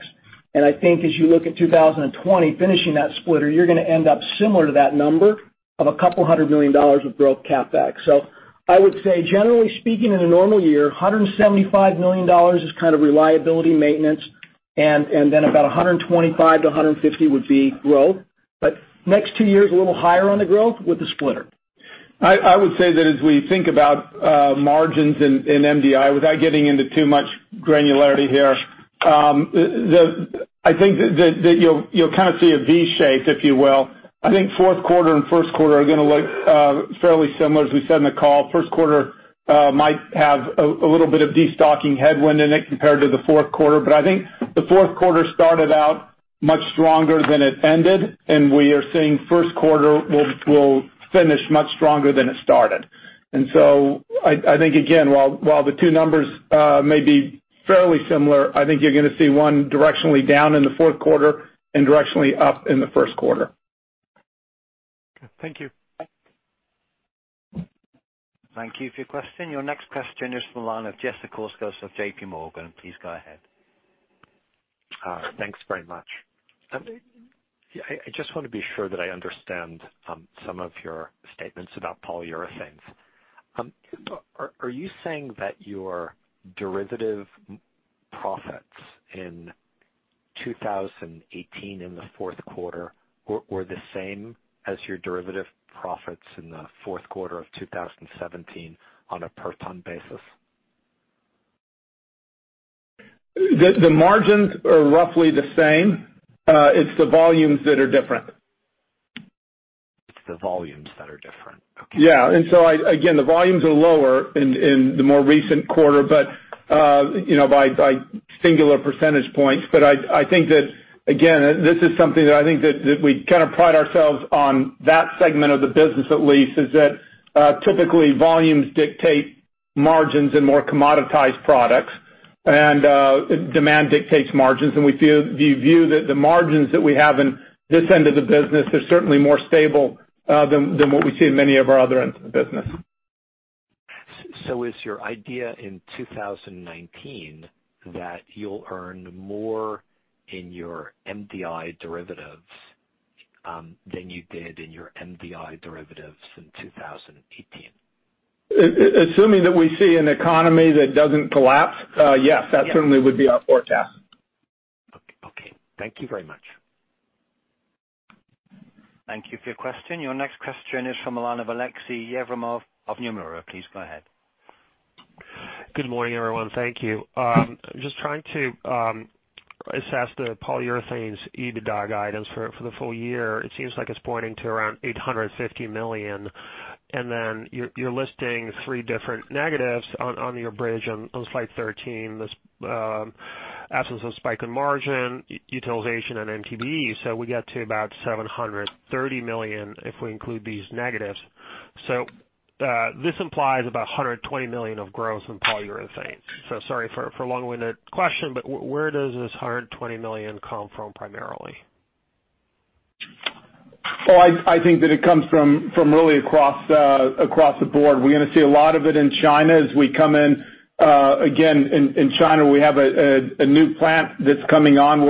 I think as you look at 2020, finishing that splitter, you're going to end up similar to that number of a couple hundred million dollars of growth CapEx. I would say, generally speaking, in a normal year, $175 million is kind of reliability maintenance. About $125-$150 million would be growth. Next two years, a little higher on the growth with the splitter. I would say that as we think about margins in MDI, without getting into too much granularity here, I think that you'll kind of see a V shape, if you will. I think Q4 and Q1 are going to look fairly similar, as we said in the call. Q1 might have a little bit of destocking headwind in it compared to the Q4, but I think the Q4 started out much stronger than it ended, and we are seeing Q1 will finish much stronger than it started. I think, again, while the two numbers may be fairly similar, I think you're going to see one directionally down in the Q4 and directionally up in the Q1. Okay. Thank you. Thank you for your question. Your next question is from the line of Jeff Zekauskas of J.P. Morgan. Please go ahead. Thanks very much. I just want to be sure that I understand some of your statements about polyurethanes. Are you saying that your derivative profits in 2018 in the Q4 were the same as your derivative profits in the Q4 of 2017 on a per ton basis? The margins are roughly the same. It's the volumes that are different. It's the volumes that are different. Okay. Yeah. Again, the volumes are lower in the more recent quarter, by singular percentage points. I think that, again, this is something that I think that we kind of pride ourselves on that segment of the business at least, is that typically volumes dictate margins in more commoditized products, and demand dictates margins, and we view that the margins that we have in this end of the business are certainly more stable than what we see in many of our other ends of the business. Is your idea in 2019 that you'll earn more in your MDI derivatives than you did in your MDI derivatives in 2018? Assuming that we see an economy that doesn't collapse, yes. That certainly would be our forecast. Okay. Thank you very much. Thank you for your question. Your next question is from the line of Aleksey Yefremov of Nomura. Please go ahead. Good morning, everyone. Thank you. Just trying to assess the Polyurethanes EBITDA guidance for the full year. It seems like it's pointing to around $850 million. You're listing three different negatives on your bridge on Slide 13, this absence of spike in margin, utilization, and MTBEs. We get to about $730 million if we include these negatives. This implies about $120 million of growth in Polyurethanes. Sorry for a long-winded question, where does this $120 million come from primarily? Well, I think that it comes from really across the board. We're going to see a lot of it in China as we come in. Again, in China, we have a new plant that's coming on.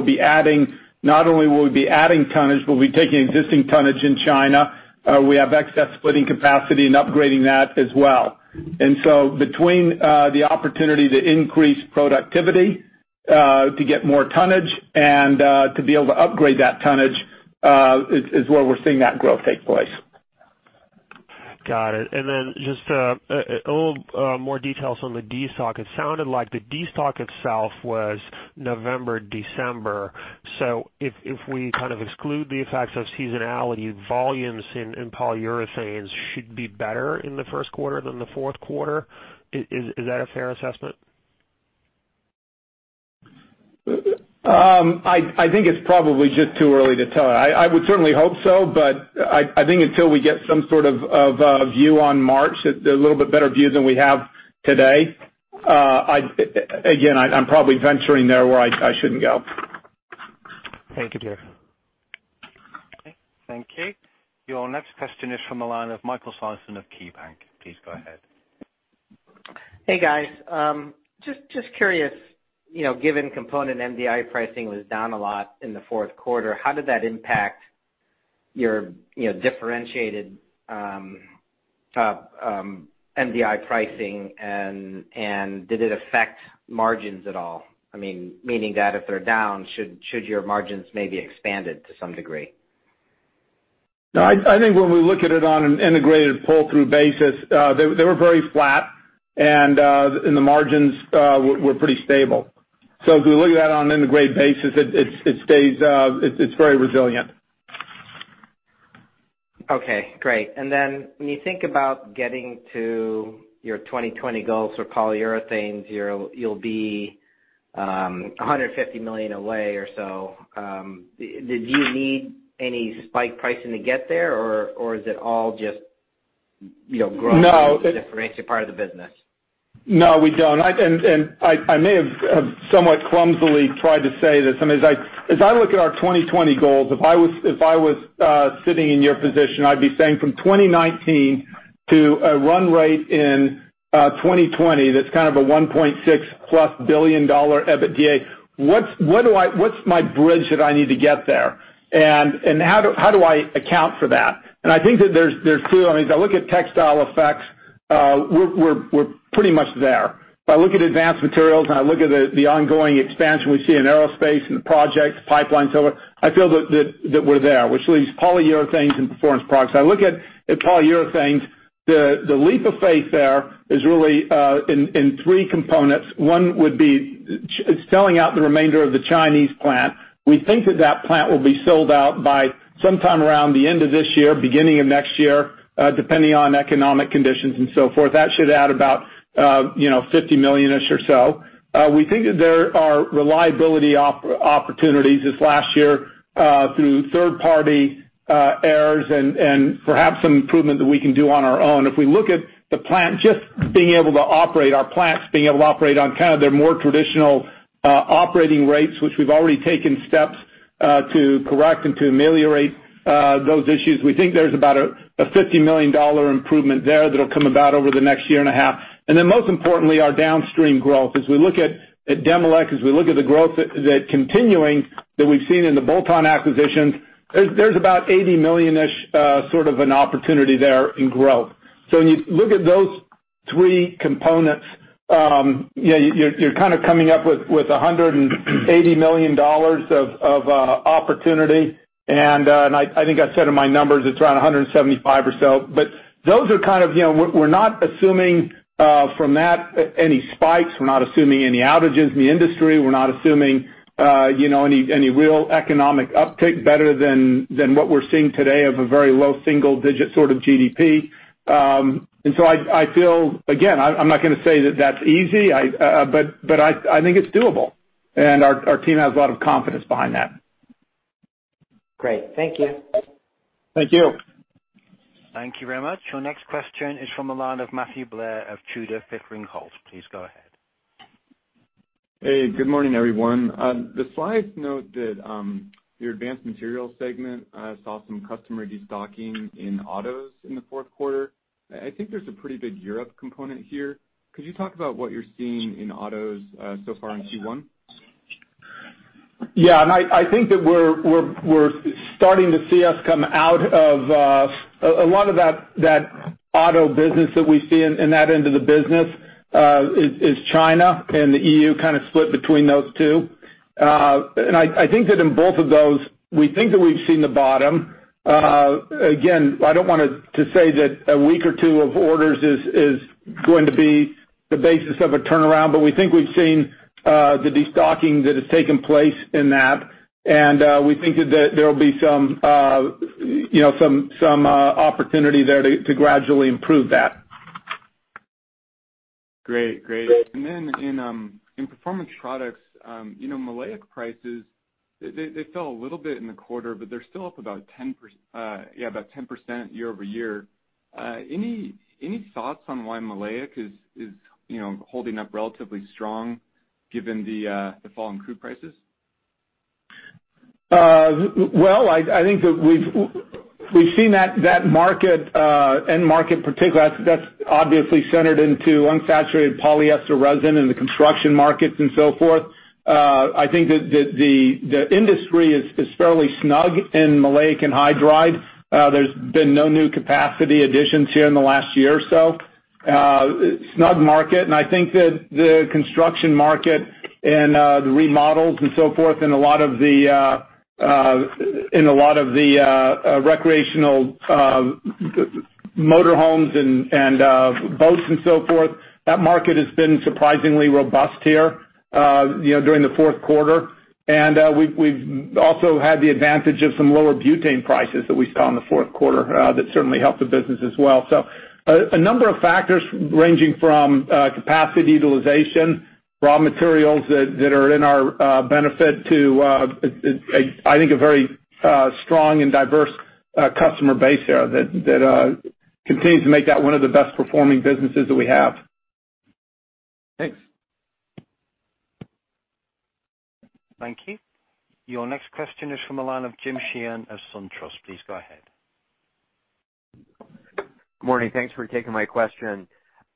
Not only will we be adding tonnage, but we'll be taking existing tonnage in China, we have excess splitting capacity, and upgrading that as well. Between the opportunity to increase productivity to get more tonnage and to be able to upgrade that tonnage, is where we're seeing that growth take place. Got it. Just a little more details on the destock. It sounded like the destock itself was November, December. If we kind of exclude the effects of seasonality, volumes in Polyurethanes should be better in the Q1 than the Q4. Is that a fair assessment? I think it's probably just too early to tell. I would certainly hope so. I think until we get some sort of view on March, a little bit better view than we have today, again, I'm probably venturing there where I shouldn't go. Thank you, Jeff. Okay. Thank you. Your next question is from the line of Michael Sison of KeyBanc. Please go ahead. Hey, guys. Just curious, given component MDI pricing was down a lot in the Q4, how did that impact your differentiated MDI pricing, and did it affect margins at all? Meaning that if they're down, should your margins maybe expand to some degree? No, I think when we look at it on an integrated pull-through basis, they were very flat, and the margins were pretty stable. If you look at that on an integrated basis, it's very resilient. Okay, great. When you think about getting to your 2020 goals for Polyurethanes, you'll be $150 million away or so. Did you need any spike pricing to get there, or is it all just growth differential part of the business? No, we don't. I may have somewhat clumsily tried to say this. As I look at our 2020 goals, if I was sitting in your position, I'd be saying from 2019 to a run rate in 2020, that's kind of a $1.6-plus billion EBITDA, what's my bridge that I need to get there? How do I account for that? I think that there's two elements. I look at Textile Effects. We're pretty much there. If I look at Advanced Materials and I look at the ongoing expansion we see in aerospace and the projects, pipelines, so on, I feel that we're there. Which leaves Polyurethanes and Performance Products. I look at Polyurethanes, the leap of faith there is really in three components. One would be selling out the remainder of the Chinese plant. We think that that plant will be sold out by sometime around the end of this year, beginning of next year, depending on economic conditions and so forth. That should add about $50 million or so. We think that there are reliability opportunities this last year through third party errors and perhaps some improvement that we can do on our own. If we look at the plant, just being able to operate our plants, being able to operate on kind of their more traditional operating rates, which we've already taken steps to correct and to ameliorate those issues, we think there's about a $50 million improvement there that'll come about over the next year and a half. Most importantly, our downstream growth. As we look at Demilec, as we look at the growth that's continuing that we've seen in the Bolton acquisition, there's about $80 million sort of an opportunity there in growth. When you look at those three components, you're kind of coming up with $180 million of opportunity. I think I said in my numbers, it's around $175 million or so. Those are kind of. We're not assuming from that any spikes. We're not assuming any outages in the industry. We're not assuming any real economic uptick better than what we're seeing today of a very low single-digit sort of GDP. I feel, again, I'm not going to say that that's easy, but I think it's doable, and our team has a lot of confidence behind that. Great. Thank you. Thank you. Thank you very much. Your next question is from the line of Matthew Blair of Tudor, Pickering, Holt. Please go ahead. Hey, good morning, everyone. The slides note that your Advanced Materials segment saw some customer destocking in autos in the Q4. I think there's a pretty big Europe component here. Could you talk about what you're seeing in autos so far in Q1? Yeah, I think that we're starting to see us come out of a lot of that auto business that we see in that end of the business is China and the EU kind of split between those two. I think that in both of those, we think that we've seen the bottom. Again, I don't want to say that a week or two of orders is going to be the basis of a turnaround, we think we've seen the destocking that has taken place in that, we think that there will be some opportunity there to gradually improve that. Great. In Performance Products, maleic prices, they fell a little bit in the quarter, but they're still up about 10% year-over-year. Any thoughts on why maleic is holding up relatively strong given the fall in crude prices? Well, I think that we've seen that end market particularly, that's obviously centered into unsaturated polyester resin in the construction markets and so forth. I think that the industry is fairly snug in maleic anhydride. There's been no new capacity additions here in the last year or so. Snug market, I think that the construction market and the remodels and so forth in a lot of the recreational motor homes and boats and so forth, that market has been surprisingly robust here during the Q4. We've also had the advantage of some lower butane prices that we saw in the Q4 that certainly helped the business as well. A number of factors ranging from capacity utilization, raw materials that are in our benefit to I think a very strong and diverse customer base there that continues to make that one of the best performing businesses that we have. Thanks. Thank you. Your next question is from the line of Jim Sheehan of SunTrust. Please go ahead. Morning. Thanks for taking my question.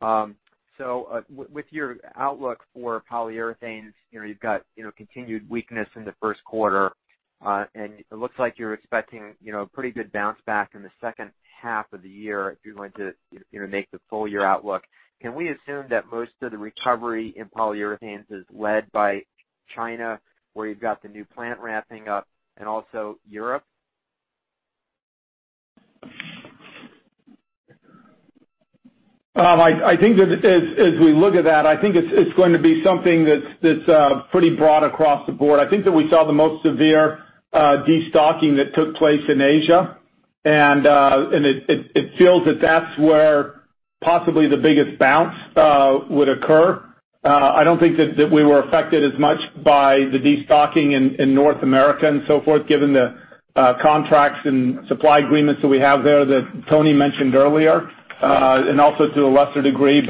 With your outlook for Polyurethanes, you've got continued weakness in the Q1. It looks like you're expecting a pretty good bounce back in the second half of the year if you're going to make the full year outlook. Can we assume that most of the recovery in Polyurethanes is led by China, where you've got the new plant ramping up and also Europe? As we look at that, I think it's going to be something that's pretty broad across the board. I think that we saw the most severe destocking that took place in Asia, it feels that that's where possibly the biggest bounce would occur. I don't think that we were affected as much by the destocking in North America and so forth given the contracts and supply agreements that we have there that Tony mentioned earlier, also to a lesser degree.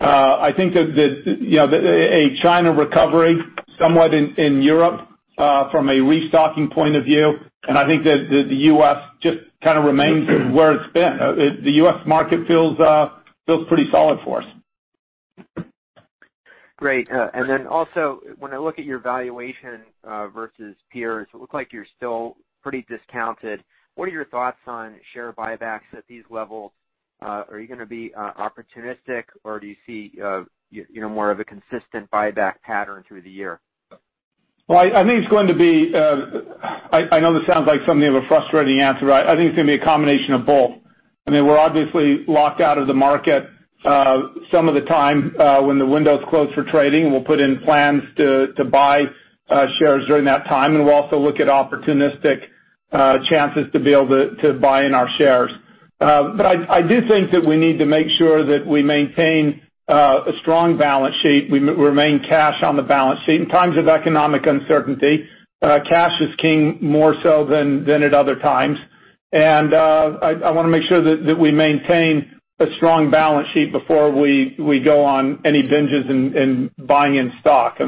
I think that a China recovery somewhat in Europe from a restocking point of view, I think that the U.S. just kind of remains where it's been. The U.S. market feels pretty solid for us. Great. When I look at your valuation versus peers, it looks like you're still pretty discounted. What are your thoughts on share buybacks at these levels? Are you going to be opportunistic, or do you see more of a consistent buyback pattern through the year? Well, I know this sounds like something of a frustrating answer. I think it's going to be a combination of both. We're obviously locked out of the market some of the time when the window's closed for trading. We'll put in plans to buy shares during that time. We'll also look at opportunistic chances to be able to buy in our shares. I do think that we need to make sure that we maintain a strong balance sheet. We remain cash on the balance sheet. In times of economic uncertainty, cash is king more so than at other times. I want to make sure that we maintain a strong balance sheet before we go on any binges in buying in stock.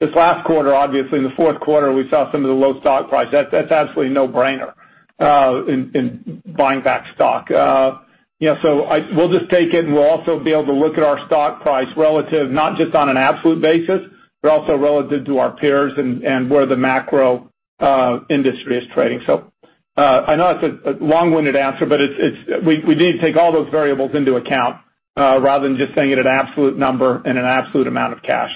This last quarter, obviously, in the Q4, we saw some of the low stock price. That's absolutely a no-brainer in buying back stock. We'll just take it. We'll also be able to look at our stock price relative, not just on an absolute basis, but also relative to our peers and where the macro industry is trading. I know it's a long-winded answer. We need to take all those variables into account rather than just saying it at absolute number and an absolute amount of cash.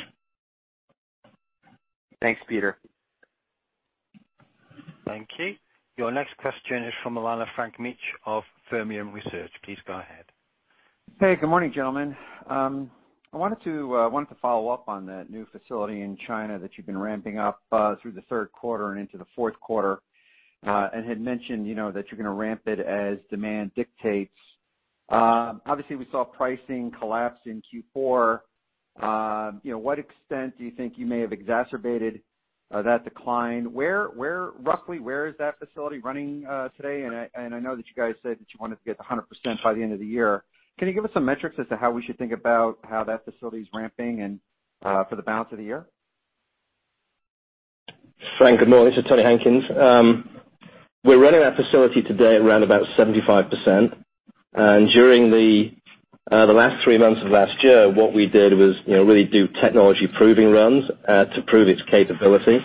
Thanks, Peter. Thank you. Your next question is from Frank Mitsch of Fermium Research. Please go ahead. Hey, good morning, gentlemen. I wanted to follow up on that new facility in China that you've been ramping up through the Q3 and into the Q4 and had mentioned that you're going to ramp it as demand dictates. Obviously, we saw pricing collapse in Q4. What extent do you think you may have exacerbated that decline? Roughly where is that facility running today? I know that you guys said that you wanted to get 100% by the end of the year. Can you give us some metrics as to how we should think about how that facility is ramping and for the balance of the year? Frank, good morning. This is Tony Hankins. We're running that facility today at around about 75%. During the last three months of last year, what we did was really do technology proving runs to prove its capability.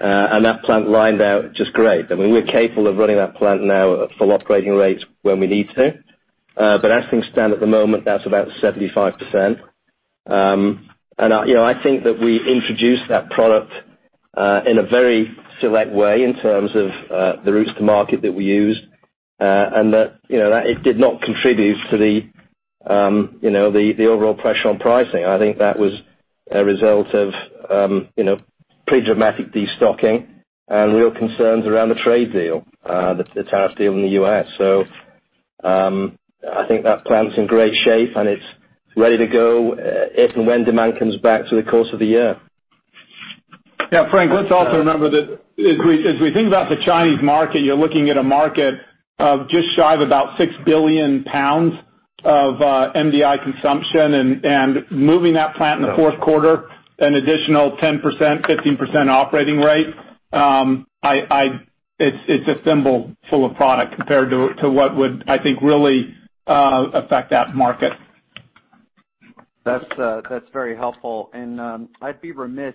That plant lined out just great. We're capable of running that plant now at full operating rates when we need to. As things stand at the moment, that's about 75%. I think that we introduced that product in a very select way in terms of the routes to market that we used, and that it did not contribute to the overall pressure on pricing. I think that was a result of pretty dramatic destocking and real concerns around the trade deal, the tariff deal in the U.S. I think that plant's in great shape, and it's ready to go if and when demand comes back through the course of the year. Yeah, Frank, let's also remember that as we think about the Chinese market, you're looking at a market of just shy of about 6 billion pounds of MDI consumption and moving that plant in the Q4, an additional 10%-15% operating rate. It's a thimble full of product compared to what would, I think, really affect that market. That's very helpful. I'd be remiss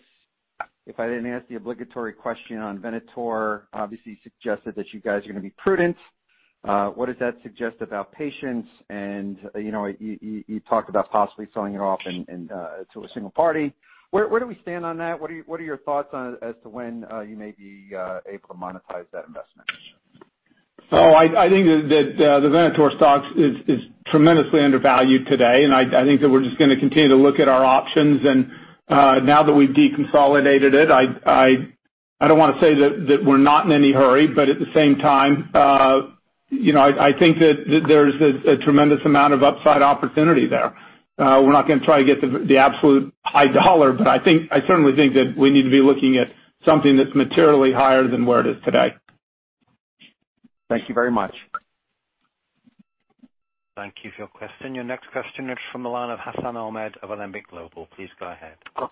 if I didn't ask the obligatory question on Venator. Obviously, you suggested that you guys are going to be prudent. What does that suggest about patience? You talked about possibly selling it off to a single party. Where do we stand on that? What are your thoughts as to when you may be able to monetize that investment? I think that the Venator stock is tremendously undervalued today, and I think that we're just going to continue to look at our options. Now that we've deconsolidated it, I don't want to say that we're not in any hurry, but at the same time, I think that there's a tremendous amount of upside opportunity there. We're not going to try to get the absolute high dollar, but I certainly think that we need to be looking at something that's materially higher than where it is today. Thank you very much. Thank you for your question. Your next question is from the line of Hassan Ahmed of Alembic Global Advisors. Please go ahead. Good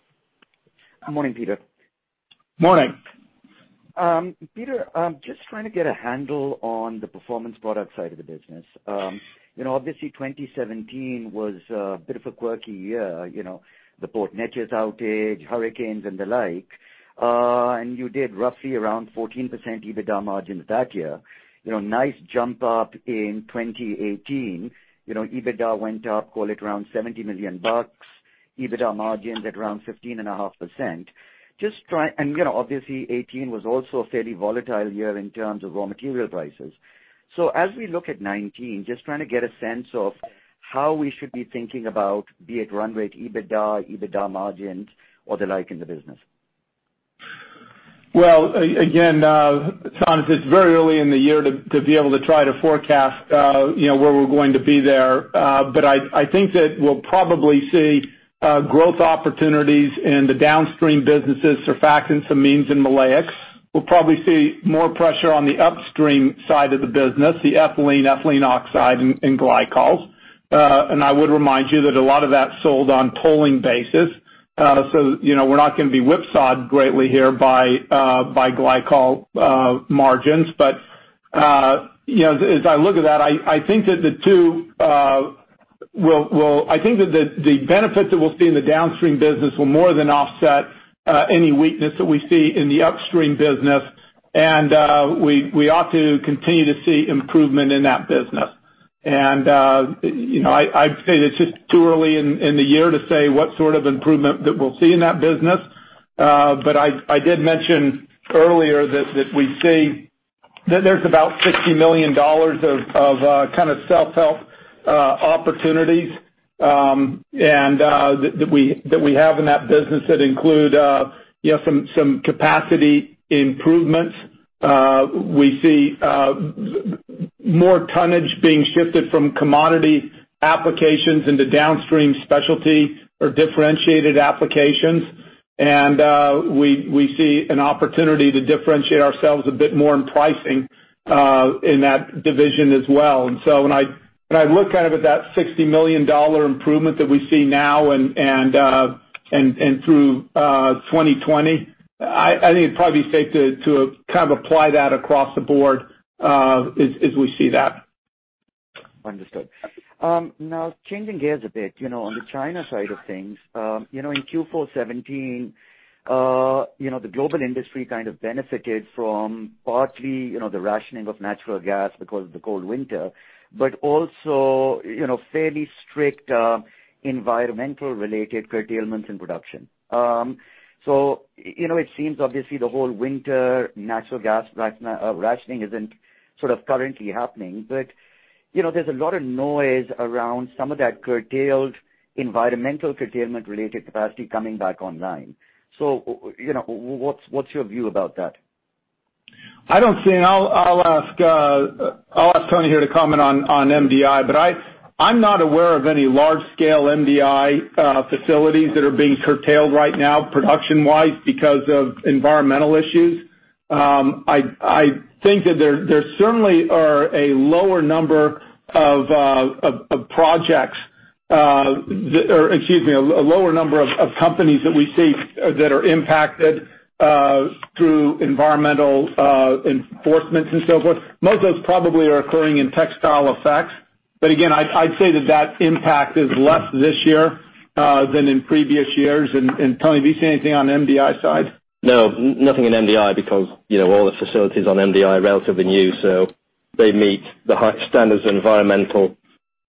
morning, Peter. Morning. Peter, just trying to get a handle on the Performance Products side of the business. Obviously, 2017 was a bit of a quirky year, the Port Neches outage, hurricanes, and the like. You did roughly around 14% EBITDA margins that year. Nice jump up in 2018. EBITDA went up, call it around $70 million. EBITDA margins at around 15.5%. Obviously, 2018 was also a fairly volatile year in terms of raw material prices. As we look at 2019, just trying to get a sense of how we should be thinking about, be it run rate, EBITDA margins, or the like in the business. Well, again, Hassan, it's very early in the year to be able to try to forecast where we're going to be there. I think that we'll probably see growth opportunities in the downstream businesses, surfactants, amines, and maleates. We'll probably see more pressure on the upstream side of the business, the ethylene oxide, and glycols. I would remind you that a lot of that sold on tolling basis. We're not going to be whipsawed greatly here by glycol margins. As I look at that, I think that the benefit that we'll see in the downstream business will more than offset any weakness that we see in the upstream business. We ought to continue to see improvement in that business. I'd say it's just too early in the year to say what sort of improvement that we'll see in that business. I did mention earlier that we see that there's about $60 million of kind of self-help opportunities that we have in that business that include some capacity improvements. We see more tonnage being shifted from commodity applications into downstream specialty or differentiated applications. We see an opportunity to differentiate ourselves a bit more in pricing in that division as well. When I look kind of at that $60 million improvement that we see now and through 2020, I think it'd probably be safe to kind of apply that across the board as we see that. Understood. Now changing gears a bit. On the China side of things, in Q4 2017 the global industry kind of benefited from partly the rationing of natural gas because of the cold winter, but also fairly strict environmental related curtailments in production. It seems obviously the whole winter natural gas rationing isn't sort of currently happening, but there's a lot of noise around some of that curtailed environmental curtailment related capacity coming back online. What's your view about that? I don't see, I'll ask Tony here to comment on MDI, but I'm not aware of any large scale MDI facilities that are being curtailed right now production-wise because of environmental issues. I think that there certainly are a lower number of companies that we see that are impacted through environmental enforcements and so forth. Most of those probably are occurring in Textile Effects. Again, I'd say that impact is less this year than in previous years. Tony, have you seen anything on MDI side? No, nothing in MDI because all the facilities on MDI are relatively new, so they meet the high standards, environmental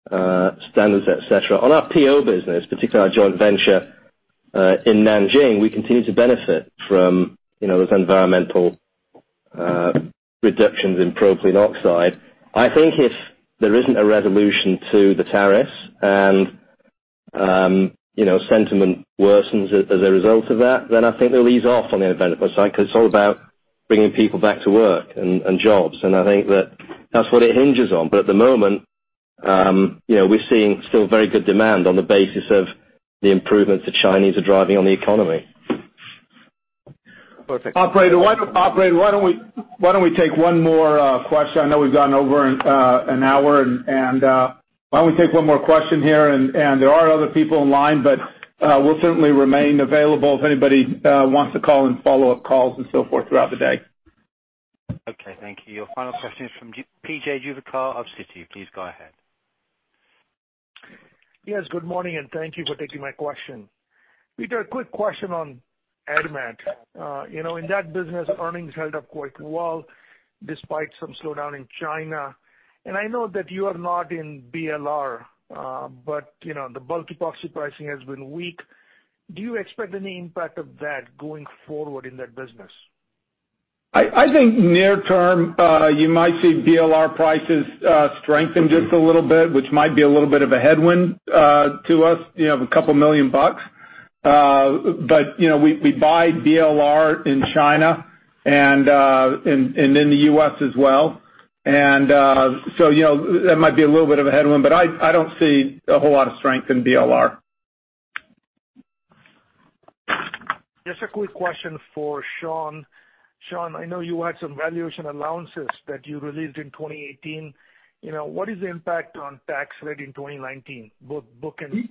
standards, et cetera. On our PO business, particularly our joint venture in Nanjing, we continue to benefit from those environmental reductions in propylene oxide. I think if there isn't a resolution to the tariffs and sentiment worsens as a result of that, then I think they'll ease off on the benefit side because it's all about bringing people back to work and jobs, and I think that's what it hinges on. At the moment, we're seeing still very good demand on the basis of the improvements the Chinese are driving on the economy. Perfect. Operator, why don't we take one more question? I know we've gone over an hour, why don't we take one more question here? There are other people in line, but we'll certainly remain available if anybody wants to call in follow-up calls and so forth throughout the day. Okay. Thank you. Your final question is from P.J. Juvekar of Citi. Please go ahead. Yes, good morning, and thank you for taking my question. Peter, quick question on AdMat. In that business, earnings held up quite well despite some slowdown in China. I know that you are not in BLR, but the bulk epoxy pricing has been weak. Do you expect any impact of that going forward in that business? I think near term you might see BLR prices strengthen just a little bit, which might be a little bit of a headwind to us of a couple million dollars. We buy BLR in China and in the U.S. as well. That might be a little bit of a headwind, but I don't see a whole lot of strength in BLR. Just a quick question for Sean. Sean, I know you had some valuation allowances that you released in 2018. What is the impact on tax rate in 2019, both book and-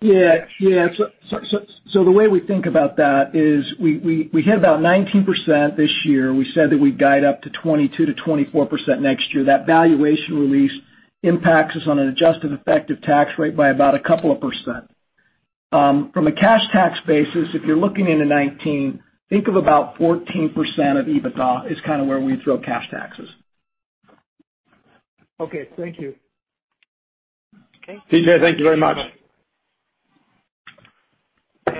Yeah. The way we think about that is we hit about 19% this year. We said that we'd guide up to 22%-24% next year. That valuation release impacts us on an adjusted effective tax rate by about a couple of %. From a cash tax basis, if you're looking into 2019, think of about 14% of EBITDA is kind of where we throw cash taxes. Okay. Thank you. P.J., thank you very much.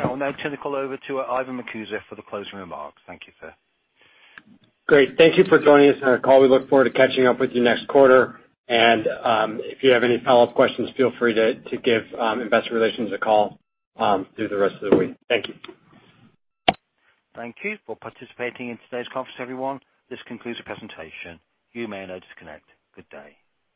I'll now turn the call over to Ivan Marcuse for the closing remarks. Thank you, sir. Great. Thank you for joining us on our call. We look forward to catching up with you next quarter. If you have any follow-up questions, feel free to give investor relations a call through the rest of the week. Thank you. Thank you for participating in today's conference, everyone. This concludes the presentation. You may now disconnect. Good day.